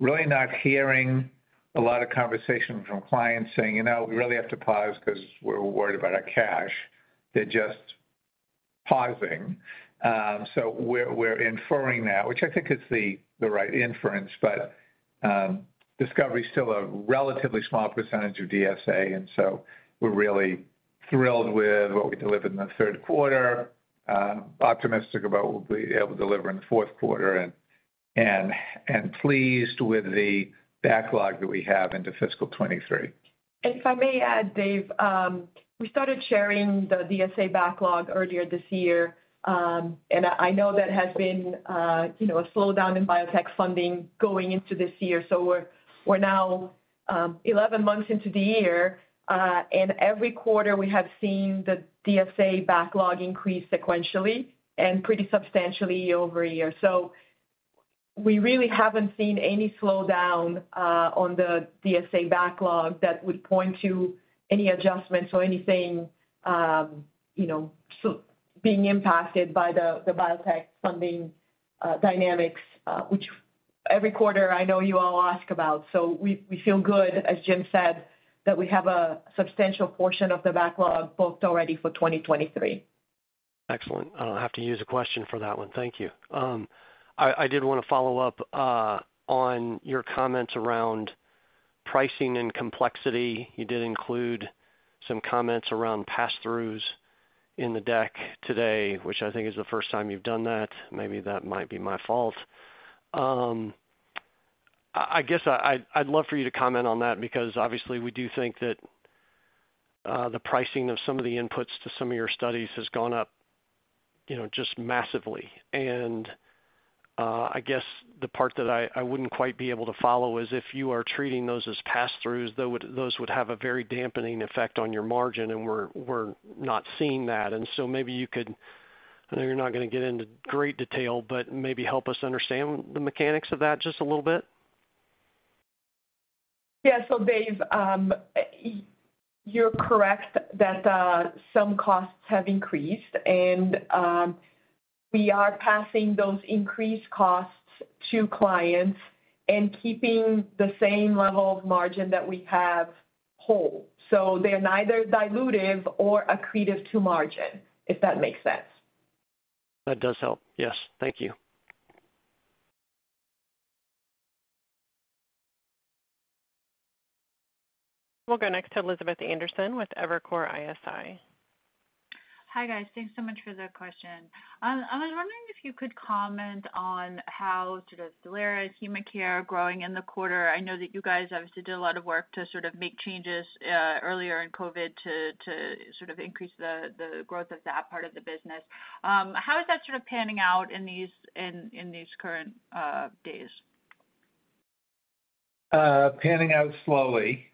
really not hearing a lot of conversation from clients saying, "You know, we really have to pause because we're worried about our cash." They're just pausing. We're inferring that, which I think is the right inference, but discovery is still a relatively small percentage of DSA, and so we're really thrilled with what we delivered in the Q3, optimistic about what we'll be able to deliver in the Q4 and pleased with the backlog that we have into fiscal 2023. If I may add, Dave, we started sharing the DSA backlog earlier this year. I know that has been, you know, a slowdown in biotech funding going into this year. We're now 11 months into the year, and every quarter we have seen the DSA backlog increase sequentially and pretty substantially over a year. We really haven't seen any slowdown on the DSA backlog that would point to any adjustments or anything, you know, being impacted by the biotech funding dynamics, which every quarter I know you all ask about. We feel good, as Jim said, that we have a substantial portion of the backlog booked already for 2023. Excellent. I don't have to use a question for that one. Thank you. I did want to follow up on your comments around pricing and complexity. You did include some comments around passthroughs in the deck today, which I think is the first time you've done that. Maybe that might be my fault. I guess I'd love for you to comment on that because obviously we do think that the pricing of some of the inputs to some of your studies has gone up, you know, just massively. I guess the part that I wouldn't quite be able to follow is if you are treating those as passthroughs, those would have a very dampening effect on your margin, and we're not seeing that. Maybe you could, I know you're not going to get into great detail, but maybe help us understand the mechanics of that just a little bit. Dave, you're correct that some costs have increased and we are passing those increased costs to clients and keeping the same level of margin that we have overall. They're neither dilutive nor accretive to margin, if that makes sense. That does help. Yes. Thank you. We'll go next to Elizabeth Anderson with Evercore ISI. Hi, guys. Thanks so much for the question. I was wondering if you could comment on how sort of HemaCare's human care growing in the quarter. I know that you guys obviously did a lot of work to sort of make changes earlier in COVID to sort of increase the growth of that part of the business. How is that sort of panning out in these current days? Panning out slowly.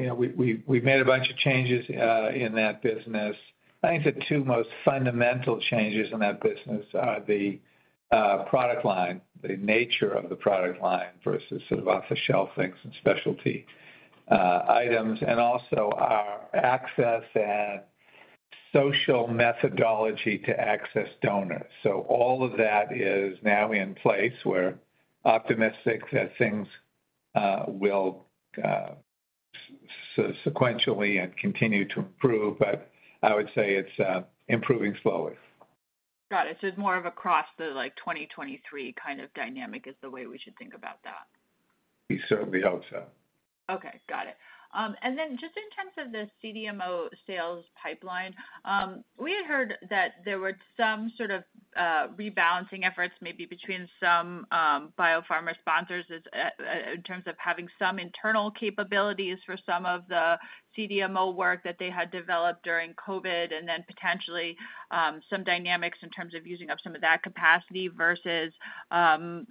You know, we've made a bunch of changes in that business. I think the two most fundamental changes in that business are the product line, the nature of the product line versus sort of off-the-shelf things and specialty items, and also our access and sourcing methodology to access donors. All of that is now in place. We're optimistic that things will sequentially and continue to improve, but I would say it's improving slowly. Got it. It's more of across the, like, 2023 kind of dynamic is the way we should think about that? We certainly hope so. Okay. Got it. And then just in terms of the CDMO sales pipeline, we had heard that there were some sort of rebalancing efforts, maybe between some biopharma sponsors as in terms of having some internal capabilities for some of the CDMO work that they had developed during COVID and then potentially some dynamics in terms of using up some of that capacity versus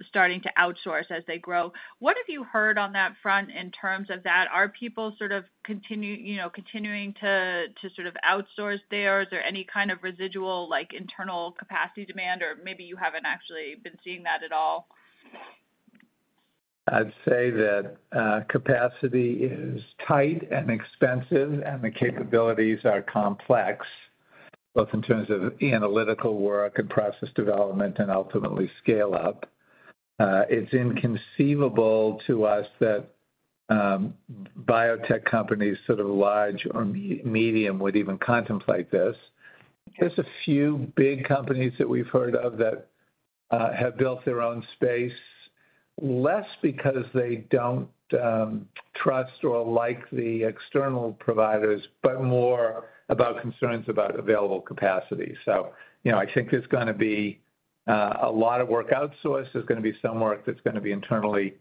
starting to outsource as they grow. What have you heard on that front in terms of that? Are people sort of, you know, continuing to sort of outsource there? Is there any kind of residual, like, internal capacity demand, or maybe you haven't actually been seeing that at all? I'd say that, capacity is tight and expensive, and the capabilities are complex, both in terms of analytical work and process development and ultimately scale-up. It's inconceivable to us that, biotech companies, sort of large or medium, would even contemplate this. Just a few big companies that we've heard of that, have built their own space, less because they don't, trust or like the external providers, but more about concerns about available capacity. You know, I think there's gonna be, a lot of work outsourced. There's gonna be some work that's gonna be internally,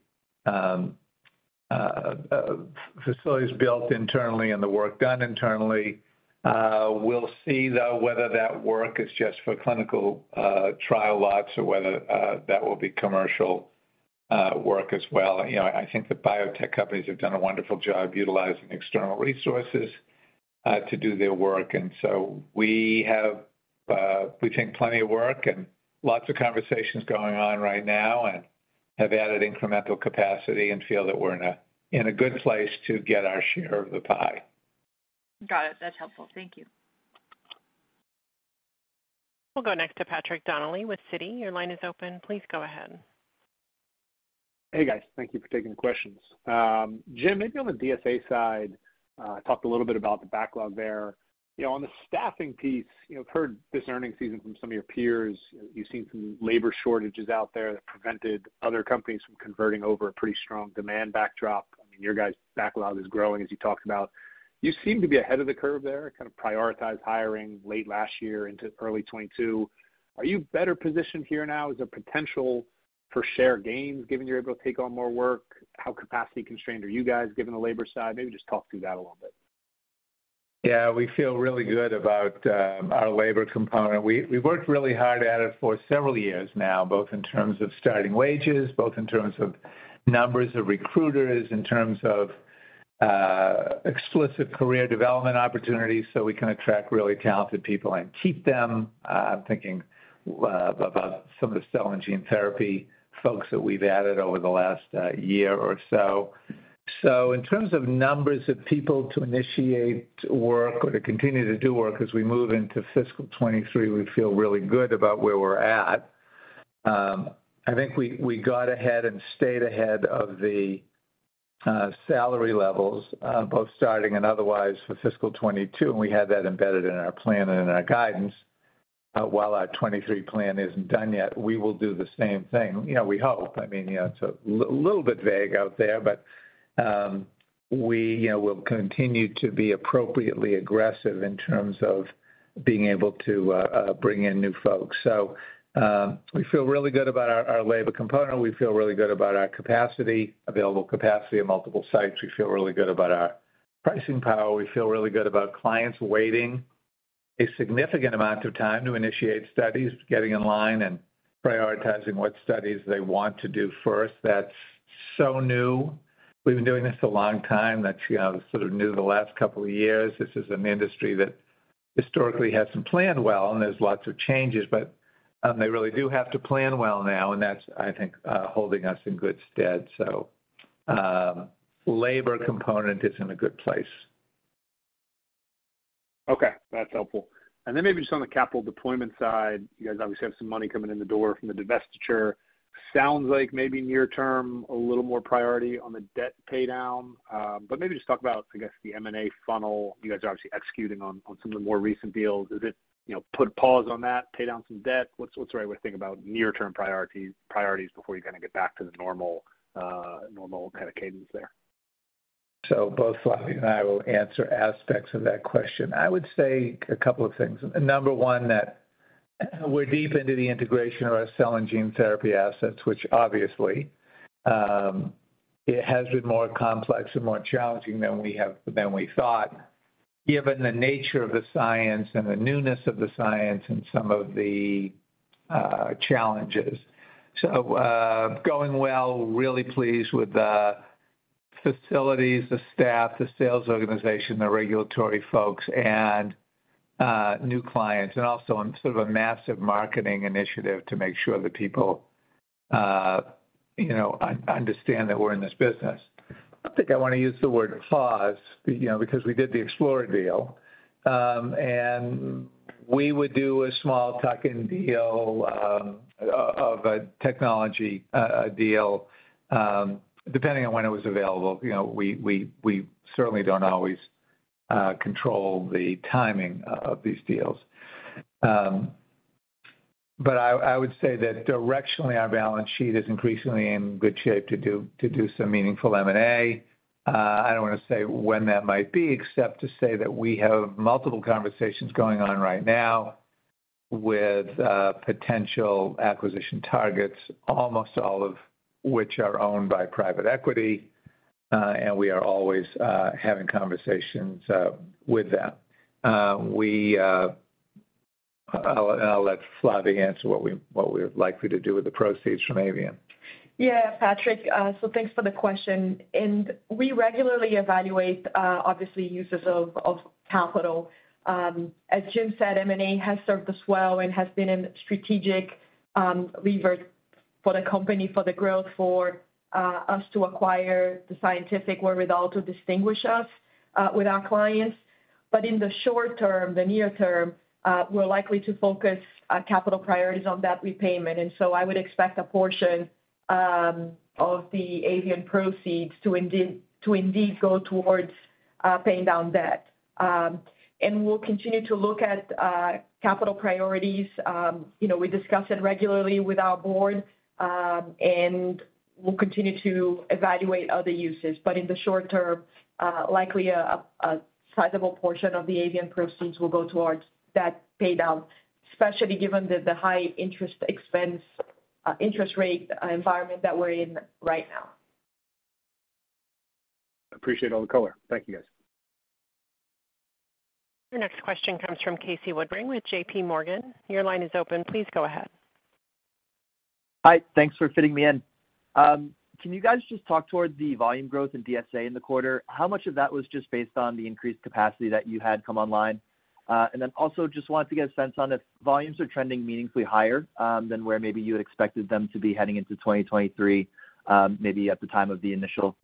facilities built internally and the work done internally. We'll see, though, whether that work is just for clinical, trial lots or whether, that will be commercial, work as well. You know, I think the biotech companies have done a wonderful job utilizing external resources to do their work. We think plenty of work and lots of conversations going on right now and have added incremental capacity and feel that we're in a good place to get our share of the pie. Got it. That's helpful. Thank you. We'll go next to Patrick Donnelly with Citi. Your line is open. Please go ahead. Hey, guys. Thank you for taking the questions. Jim, maybe on the DSA side, you talked a little bit about the backlog there. You know, on the staffing piece, you know, I've heard this earnings season from some of your peers, they've seen some labor shortages out there that prevented other companies from converting over a pretty strong demand backdrop. I mean, your guys' backlog is growing, as you talked about. You seem to be ahead of the curve there, kind of prioritized hiring late last year into early 2022. Are you better positioned here now as a potential for share gains, given you're able to take on more work? How capacity constrained are you guys given the labor side? Maybe just talk through that a little bit. Yeah. We feel really good about our labor component. We worked really hard at it for several years now, both in terms of starting wages, both in terms of numbers of recruiters, in terms of explicit career development opportunities, so we can attract really talented people and keep them. I'm thinking about some of the cell and gene therapy folks that we've added over the last year or so. In terms of numbers of people to initiate work or to continue to do work as we move into fiscal 2023, we feel really good about where we're at. I think we got ahead and stayed ahead of the salary levels, both starting and otherwise for fiscal 2022, and we had that embedded in our plan and in our guidance. While our 2023 plan isn't done yet, we will do the same thing. You know, we hope. I mean, you know, it's a little bit vague out there, but we, you know, will continue to be appropriately aggressive in terms of being able to bring in new folks. We feel really good about our labor component. We feel really good about our capacity, available capacity at multiple sites. We feel really good about our pricing power. We feel really good about clients waiting a significant amount of time to initiate studies, getting in line and prioritizing what studies they want to do first. That's so new. We've been doing this a long time. That's, you know, sort of new the last couple of years. This is an industry that historically hasn't planned well, and there's lots of changes, but they really do have to plan well now, and that's, I think, holding us in good stead. Labor component is in a good place. Okay. That's helpful. Maybe just on the capital deployment side, you guys obviously have some money coming in the door from the divestiture. Sounds like maybe near term, a little more priority on the debt paydown. Maybe just talk about, I guess, the M&A funnel you guys are obviously executing on some of the more recent deals. Is it, you know, put pause on that, pay down some debt? What's the right way to think about near-term priorities before you kind of get back to the normal normal kind of cadence there? Both Flavia and I will answer aspects of that question. I would say a couple of things. Number one, that we're deep into the integration of our cell and gene therapy assets, which obviously, it has been more complex and more challenging than we thought. Given the nature of the science and the newness of the science and some of the challenges. Going well, really pleased with the facilities, the staff, the sales organization, the regulatory folks, and new clients, and also on sort of a massive marketing initiative to make sure that people, you know, understand that we're in this business. I think I wanna use the word pause, you know, because we did the Explora deal. We would do a small tuck-in deal, of a technology deal, depending on when it was available. You know, we certainly don't always control the timing of these deals. I would say that directionally, our balance sheet is increasingly in good shape to do some meaningful M&A. I don't wanna say when that might be, except to say that we have multiple conversations going on right now with potential acquisition targets, almost all of which are owned by private equity, and we are always having conversations with them. I'll let Flavia answer what we're likely to do with the proceeds from Avian. Yeah, Patrick, thanks for the question. We regularly evaluate obviously uses of capital. As Jim said, M&A has served us well and has been a strategic lever for the company, for the growth, for us to acquire the scientific wherewithal to distinguish us with our clients. In the short term, the near term, we're likely to focus capital priorities on debt repayment. I would expect a portion of the Avian proceeds to indeed go towards paying down debt. We'll continue to look at capital priorities. You know, we discuss it regularly with our board, we'll continue to evaluate other uses. In the short term, likely a sizable portion of the Avian proceeds will go towards debt pay down, especially given the high interest expense, interest rate environment that we're in right now. Appreciate all the color. Thank you, guys. Your next question comes from Casey Woodring with J.P. Morgan. Your line is open. Please go ahead. Hi. Thanks for fitting me in. Can you guys just talk towards the volume growth in DSA in the quarter? How much of that was just based on the increased capacity that you had come online? And then also just wanted to get a sense on if volumes are trending meaningfully higher than where maybe you had expected them to be heading into 2023, maybe at the time of the initial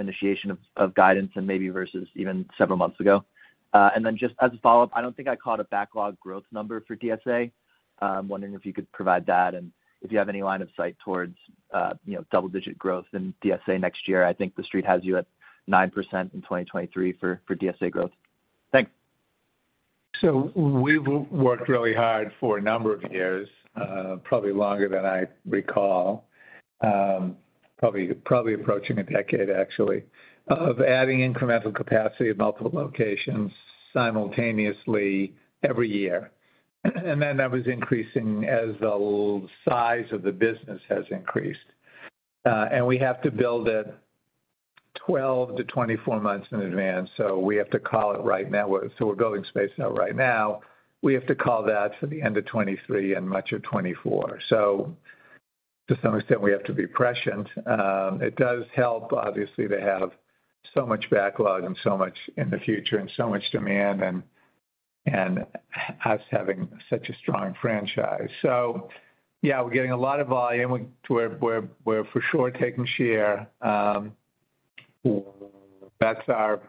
initiation of guidance and maybe versus even several months ago. And then just as a follow-up, I don't think I caught a backlog growth number for DSA. Wondering if you could provide that and if you have any line of sight towards, you know, double-digit growth in DSA next year. I think the Street has you at 9% in 2023 for DSA growth. Thanks. We've worked really hard for a number of years, probably longer than I recall, probably approaching a decade actually, of adding incremental capacity at multiple locations simultaneously every year. That was increasing as the size of the business has increased. We have to build it 12-24 months in advance, so we have to call it right now. We're building space out right now. We have to call that for the end of 2023 and much of 2024. To some extent, we have to be prescient. It does help, obviously, to have so much backlog and so much in the future and so much demand and us having such a strong franchise. Yeah, we're getting a lot of volume. We're for sure taking share. That's our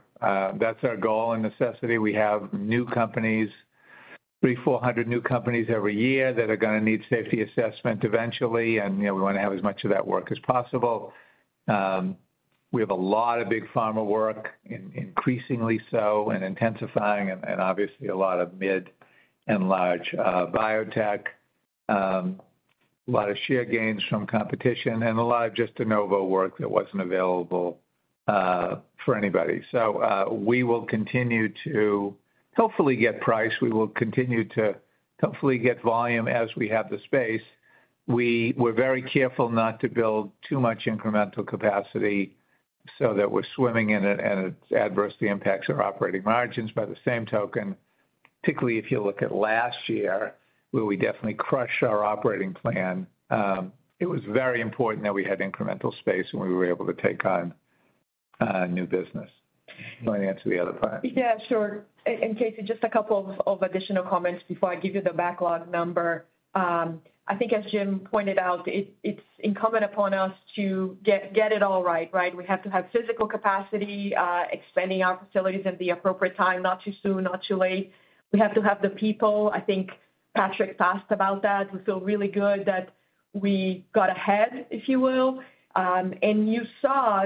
goal and necessity. We have new companies, 300-400 new companies every year that are gonna need safety assessment eventually, and, you know, we wanna have as much of that work as possible. We have a lot of big pharma work, increasingly so and intensifying, and obviously a lot of mid and large biotech. A lot of share gains from competition and a lot of just de novo work that wasn't available for anybody. We will continue to hopefully get price. We will continue to hopefully get volume as we have the space. We were very careful not to build too much incremental capacity so that we're swimming in it and it adversely impacts our operating margins. By the same token, particularly if you look at last year, where we definitely crushed our operating plan, it was very important that we had incremental space and we were able to take on new business. You want to answer the other part? Yeah, sure. Casey, just a couple of additional comments before I give you the backlog number. I think as Jim pointed out, it's incumbent upon us to get it all right? We have to have physical capacity, expanding our facilities at the appropriate time, not too soon, not too late. We have to have the people. I think Patrick's asked about that. We feel really good that we got ahead, if you will. You saw,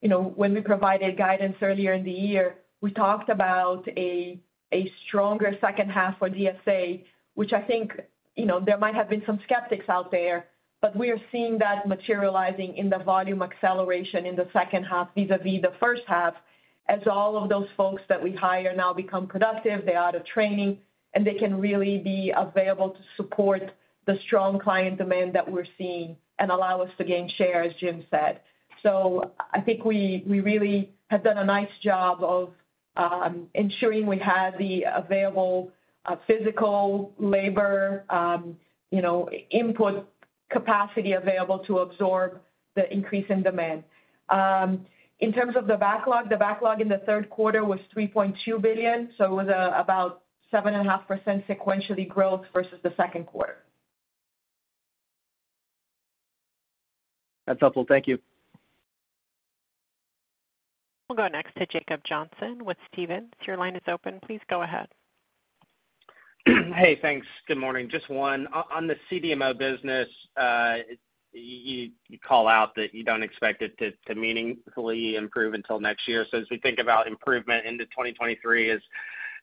you know, when we provided guidance earlier in the year, we talked about a stronger second half for DSA, which I think, you know, there might have been some skeptics out there, but we are seeing that materializing in the volume acceleration in the second half vis-à-vis the first half, as all of those folks that we hire now become productive, they're out of training, and they can really be available to support the strong client demand that we're seeing and allow us to gain share, as Jim said. I think we really have done a nice job of ensuring we have the available physical labor, you know, input capacity available to absorb the increase in demand. In terms of the backlog, the backlog in the Q3 was $3.2 billion, so it was about 7.5% sequential growth versus the Q2. That's helpful. Thank you. We'll go next to Jacob Johnson with Stephens. Your line is open. Please go ahead. Hey, thanks. Good morning. Just one. On the CDMO business, you call out that you don't expect it to meaningfully improve until next year. As we think about improvement into 2023, as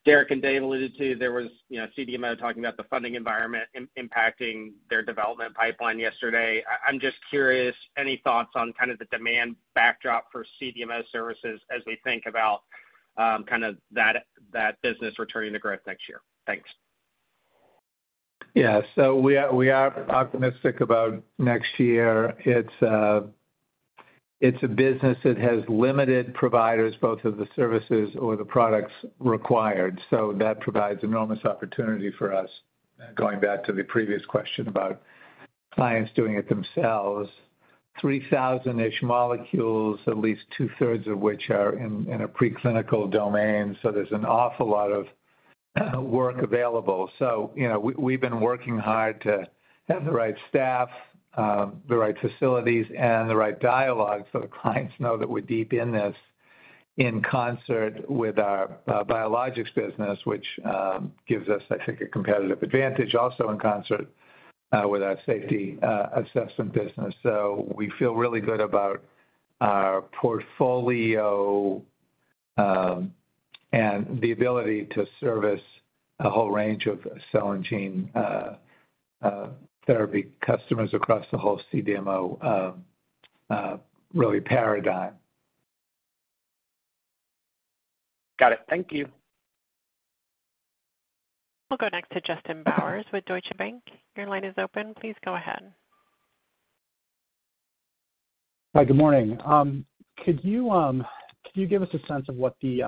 Derik and David alluded to, there was, you know, CDMO talking about the funding environment impacting their development pipeline yesterday. I'm just curious, any thoughts on kind of the demand backdrop for CDMO services as we think about, kind of that business returning to growth next year? Thanks. Yeah. We are optimistic about next year. It's a business that has limited providers, both of the services or the products required. That provides enormous opportunity for us, going back to the previous question about clients doing it themselves. 3,000-ish molecules, at least 2/3 of which are in a pre-clinical domain. There's an awful lot of work available. You know, we've been working hard to have the right staff, the right facilities, and the right dialogue so the clients know that we're deep in this in concert with our biologics business, which gives us, I think, a competitive advantage also in concert with our safety assessment business. We feel really good about our portfolio, and the ability to service a whole range of cell and gene therapy customers across the whole CDMO real paradigm. Got it. Thank you. We'll go next to Justin Bowers with Deutsche Bank. Your line is open. Please go ahead. Hi, good morning. Could you give us a sense of what the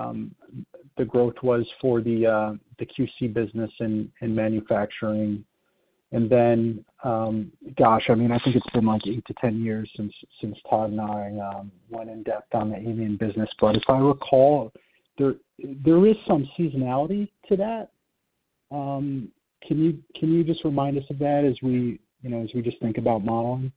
growth was for the QC business in manufacturing? Gosh, I mean, I think it's been like eight to 10 years since Todd and I went in-depth on the avian business, but if I recall, there is some seasonality to that. Can you just remind us of that as we, you know, as we just think about modeling?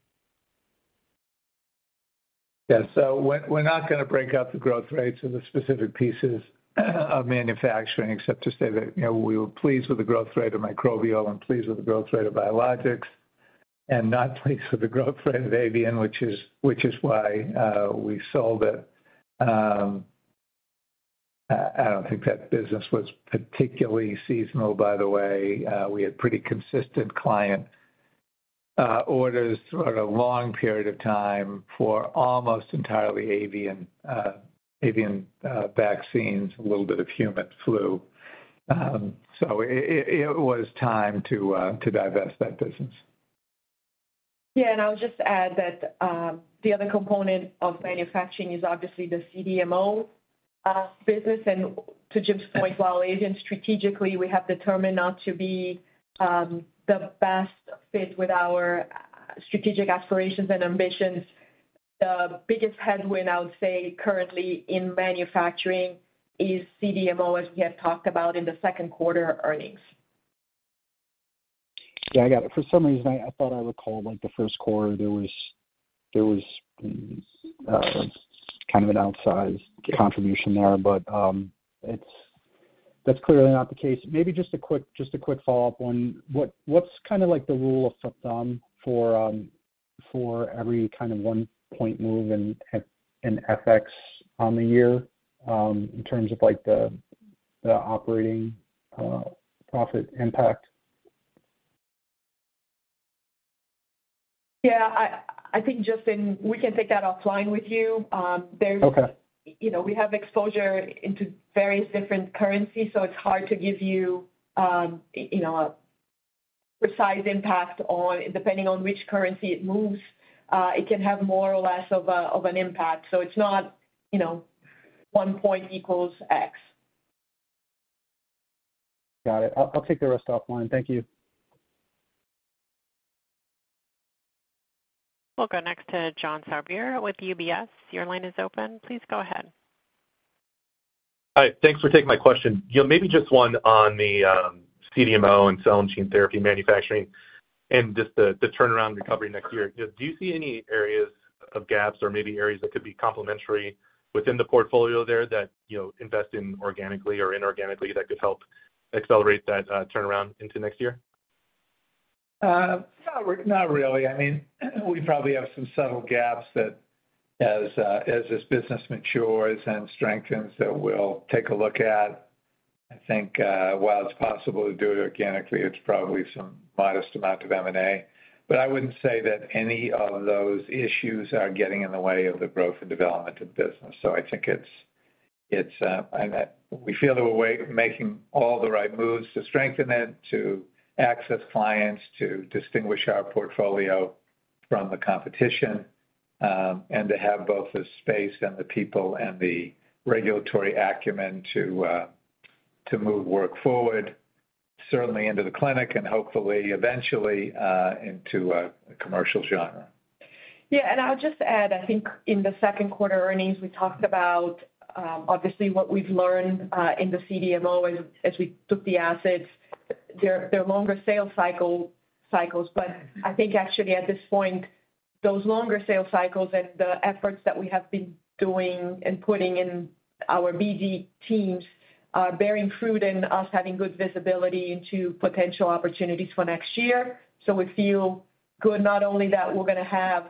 Yeah. We're not gonna break out the growth rates of the specific pieces of manufacturing except to say that, you know, we were pleased with the growth rate of microbial and pleased with the growth rate of biologics and not pleased with the growth rate of avian, which is why we sold it. I don't think that business was particularly seasonal, by the way. We had pretty consistent client orders throughout a long period of time for almost entirely avian vaccines, a little bit of human flu. It was time to divest that business. Yeah. I'll just add that the other component of manufacturing is obviously the CDMO business. To Jim's point, while avian strategically, we have determined not to be the best fit with our strategic aspirations and ambitions, the biggest headwind, I would say, currently in manufacturing is CDMO, as we have talked about in the Q2 earnings. Yeah, I got it. For some reason, I thought I recalled, like, the Q1, there was kind of an outsized contribution there, but that's clearly not the case. Maybe just a quick follow-up on what's kinda like the rule of thumb for every kind of one point move in FX on the year in terms of, like, the operating profit impact? Yeah. I think, Justin, we can take that offline with you. Okay. You know, we have exposure into various different currencies, so it's hard to give you know, a precise impact depending on which currency it moves, it can have more or less of an impact. So it's not, you know, one point equals X. Got it. I'll take the rest offline. Thank you. We'll go next to John Sourbeer with UBS. Your line is open. Please go ahead. Hi. Thanks for taking my question. Yeah, maybe just one on the CDMO and cell and gene therapy manufacturing and just the turnaround recovery next year. Do you see any areas of gaps or maybe areas that could be complementary within the portfolio there that, you know, invest in organically or inorganically that could help accelerate that turnaround into next year? Not really. I mean, we probably have some subtle gaps that as this business matures and strengthens that we'll take a look at. I think, while it's possible to do it organically, it's probably some modest amount of M&A. I wouldn't say that any of those issues are getting in the way of the growth and development of the business. I think it's, and we feel that we're making all the right moves to strengthen it, to access clients, to distinguish our portfolio from the competition, and to have both the space and the people and the regulatory acumen to move work forward, certainly into the clinic and hopefully eventually into the commercial genre. Yeah, I'll just add, I think in the Q2 earnings, we talked about obviously what we've learned in the CDMO as we took the assets. They're longer sales cycles, but I think actually at this point, those longer sales cycles and the efforts that we have been doing and putting in our BD teams are bearing fruit in us having good visibility into potential opportunities for next year. We feel good not only that we're gonna have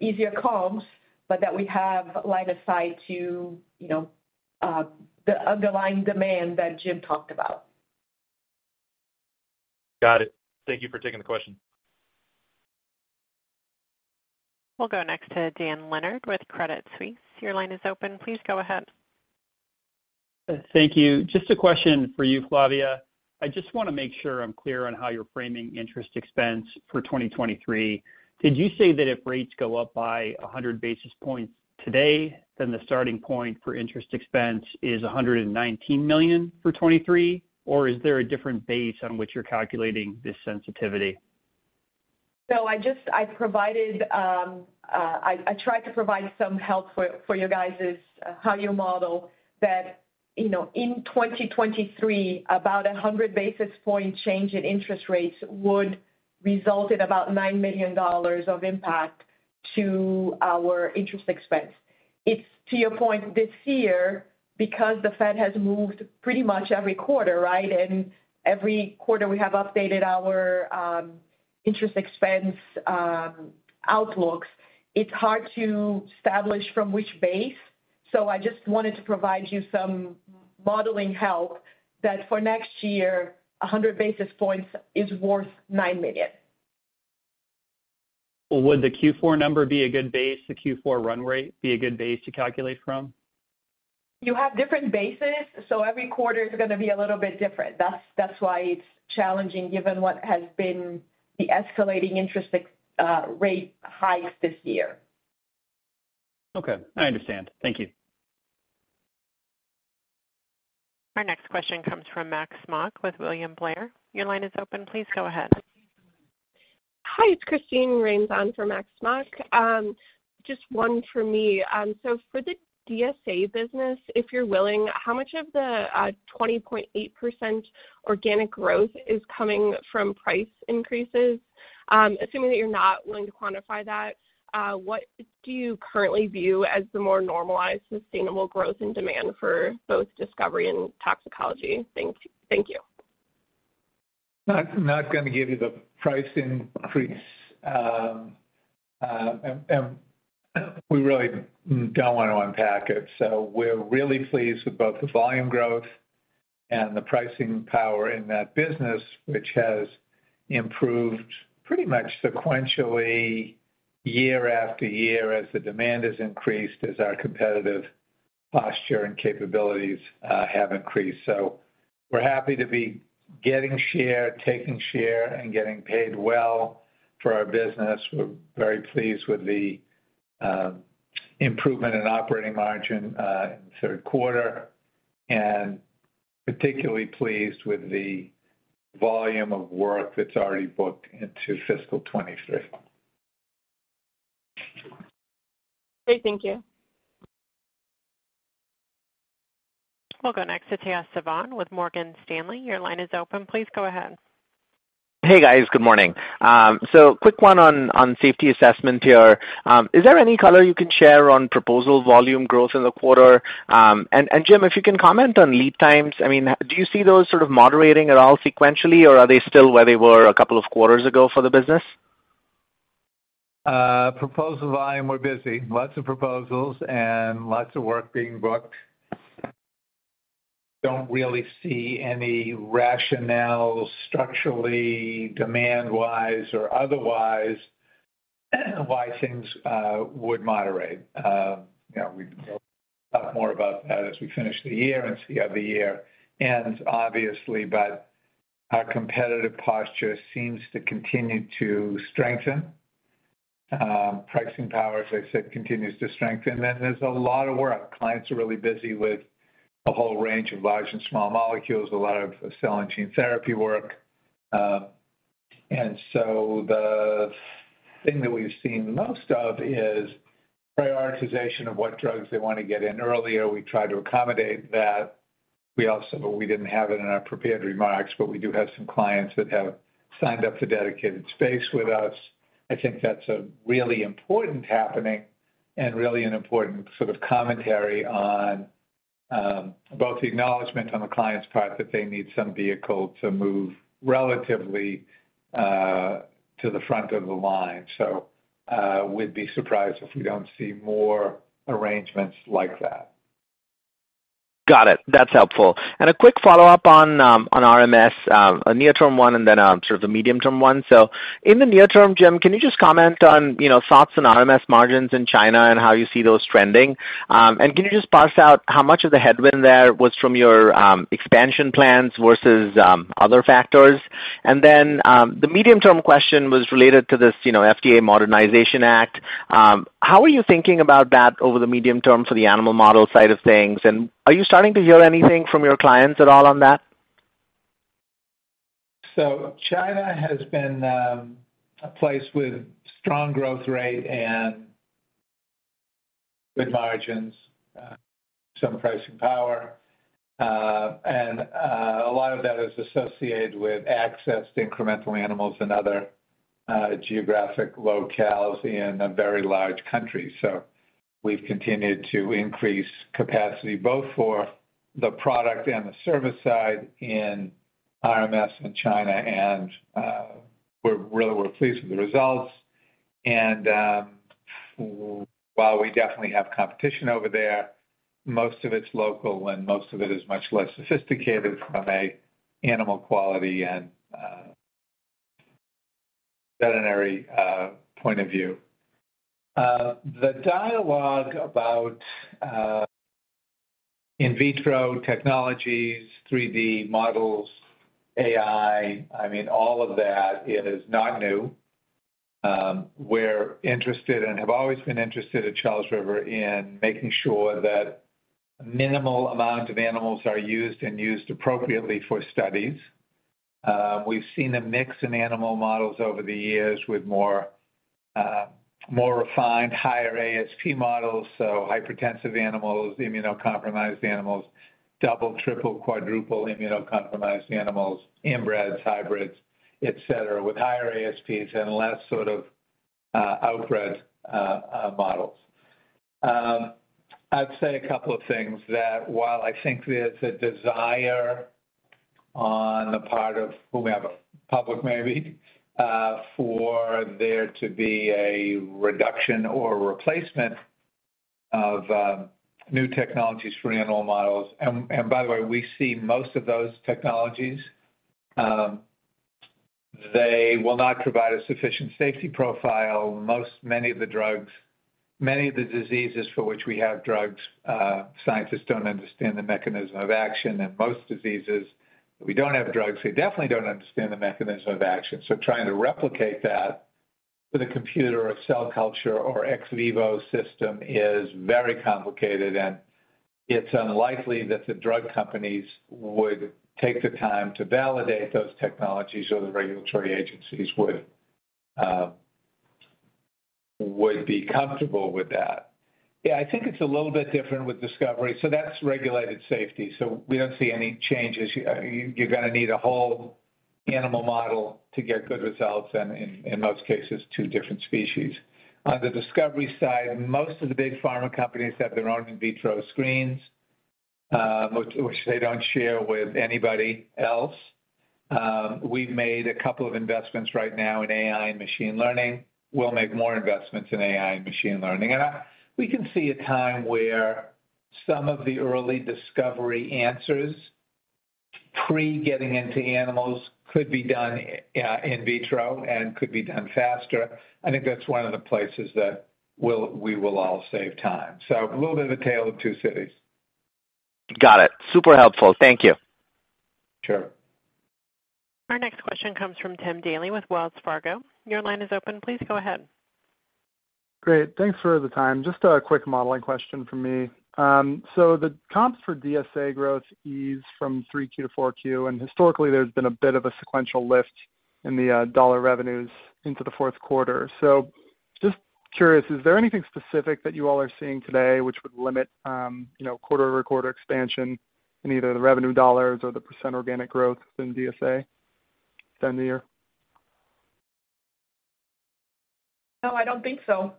easier comps, but that we have line of sight to, you know, the underlying demand that Jim talked about. Got it. Thank you for taking the question. We'll go next to Dan Leonard with Credit Suisse. Your line is open. Please go ahead. Thank you. Just a question for you, Flavia. I just wanna make sure I'm clear on how you're framing interest expense for 2023. Did you say that if rates go up by 100 basis points today, then the starting point for interest expense is $119 million for 2023? Or is there a different base on which you're calculating this sensitivity? I provided some help for you guys on how you model that, you know, in 2023, about a 100 basis point change in interest rates would result in about $9 million of impact to our interest expense. It's to your point this year, because the Fed has moved pretty much every quarter, right? Every quarter we have updated our interest expense outlooks. It's hard to establish from which base. I just wanted to provide you some modeling help that for next year, a 100 basis points is worth $9 million. Would the Q4 run rate be a good base to calculate from? You have different bases, so every quarter is gonna be a little bit different. That's why it's challenging given what has been the escalating interest rate highs this year. Okay. I understand. Thank you. Our next question comes from Max Smock with William Blair. Your line is open. Please go ahead. Hi, it's Christine Rains on for Max Smock. Just one for me. For the DSA business, if you're willing, how much of the 20.8% organic growth is coming from price increases? Assuming that you're not willing to quantify that, what do you currently view as the more normalized, sustainable growth and demand for both discovery and toxicology? Thank you. Not gonna give you the price increase. We really don't wanna unpack it. We're really pleased with both the volume growth and the pricing power in that business, which has improved pretty much sequentially year after year as the demand has increased, as our competitive posture and capabilities have increased. We're happy to be getting share, taking share, and getting paid well for our business. We're very pleased with the improvement in operating margin in the Q3, and particularly pleased with the volume of work that's already booked into fiscal 2023. Great. Thank you. We'll go next to Tejas Savant with Morgan Stanley. Your line is open. Please go ahead. Hey, guys. Good morning. Quick one on safety assessment here. Is there any color you can share on proposal volume growth in the quarter? Jim, if you can comment on lead times. I mean, do you see those sort of moderating at all sequentially, or are they still where they were a couple of quarters ago for the business? Proposal volume, we're busy. Lots of proposals and lots of work being booked. Don't really see any rationale structurally, demand-wise or otherwise, why things would moderate. You know, we can talk more about that as we finish the year and see how the year ends, obviously, but our competitive posture seems to continue to strengthen. Pricing power, as I said, continues to strengthen. There's a lot of work. Clients are really busy with a whole range of large and small molecules, a lot of cell and gene therapy work. The thing that we've seen most of is prioritization of what drugs they wanna get in earlier. We try to accommodate that. We didn't have it in our prepared remarks, but we do have some clients that have signed up for dedicated space with us. I think that's a really important happening and really an important sort of commentary on, both the acknowledgement on the client's part that they need some vehicle to move relatively, to the front of the line. We'd be surprised if we don't see more arrangements like that. Got it. That's helpful. A quick follow-up on RMS, a near-term one and then sort of the medium-term one. In the near term, Jim, can you just comment on, you know, thoughts on RMS margins in China and how you see those trending? Can you just parse out how much of the headwind there was from your expansion plans versus other factors? The medium-term question was related to this, you know, FDA Modernization Act. How are you thinking about that over the medium term for the animal model side of things? Are you starting to hear anything from your clients at all on that? China has been a place with strong growth rate and good margins, some pricing power. A lot of that is associated with access to incremental animals and other geographic locales in a very large country. We've continued to increase capacity both for the product and the service side in RMS in China. We're pleased with the results. While we definitely have competition over there, most of it's local, and most of it is much less sophisticated from an animal quality and veterinary point of view. The dialogue about in vitro technologies, 3D models, AI, I mean, all of that, it is not new. We're interested and have always been interested at Charles River in making sure that minimal amount of animals are used and used appropriately for studies. We've seen a mix in animal models over the years with more refined higher ASP models, so hypertensive animals, immunocompromised animals, double, triple, quadruple immunocompromised animals, inbreds, hybrids, et cetera, with higher ASPs and less sort of outbred models. I'd say a couple of things that while I think there's a desire on the part of whomever, public maybe, for there to be a reduction or replacement of new technologies for animal models, and by the way, we see most of those technologies, they will not provide a sufficient safety profile. Many of the diseases for which we have drugs, scientists don't understand the mechanism of action. In most diseases, we don't have drugs, they definitely don't understand the mechanism of action. Trying to replicate that with a computer or cell culture or ex vivo system is very complicated, and it's unlikely that the drug companies would take the time to validate those technologies or the regulatory agencies would be comfortable with that. Yeah, I think it's a little bit different with discovery. That's regulated safety, so we don't see any changes. You're gonna need a whole animal model to get good results and in most cases, two different species. On the discovery side, most of the big pharma companies have their own in vitro screens, which they don't share with anybody else. We've made a couple of investments right now in AI and machine learning. We'll make more investments in AI and machine learning. We can see a time where some of the early discovery answers pre getting into animals could be done in vitro and could be done faster. I think that's one of the places that we will all save time. A little bit of a tale of two cities. Got it. Super helpful. Thank you. Sure. Our next question comes from Timothy Daley with Wells Fargo. Your line is open. Please go ahead. Great. Thanks for the time. Just a quick modeling question from me. So the comps for DSA growth eased from Q3 to Q4, and historically there's been a bit of a sequential lift in the dollar revenues into the Q4. Just curious, is there anything specific that you all are seeing today which would limit you know, quarter-over-quarter expansion in either the revenue dollars or the percent organic growth in DSA this time of year? No, I don't think so.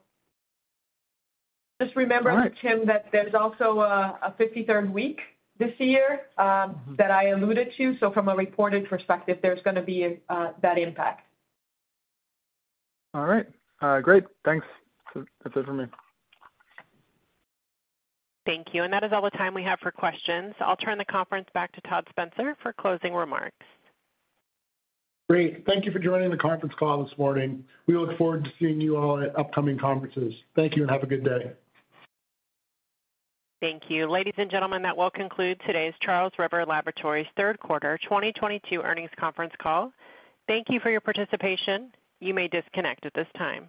Just remember, Tim, that there's also a 53rd week this year that I alluded to. From a reported perspective, there's gonna be that impact. All right. Great. Thanks. That's it from me. Thank you. That is all the time we have for questions. I'll turn the conference back to Todd Spencer for closing remarks. Great. Thank you for joining the conference call this morning. We look forward to seeing you all at upcoming conferences. Thank you, and have a good day. Thank you. Ladies and gentlemen, that will conclude today's Charles River Laboratories Q3 2022 earnings conference call. Thank you for your participation. You may disconnect at this time.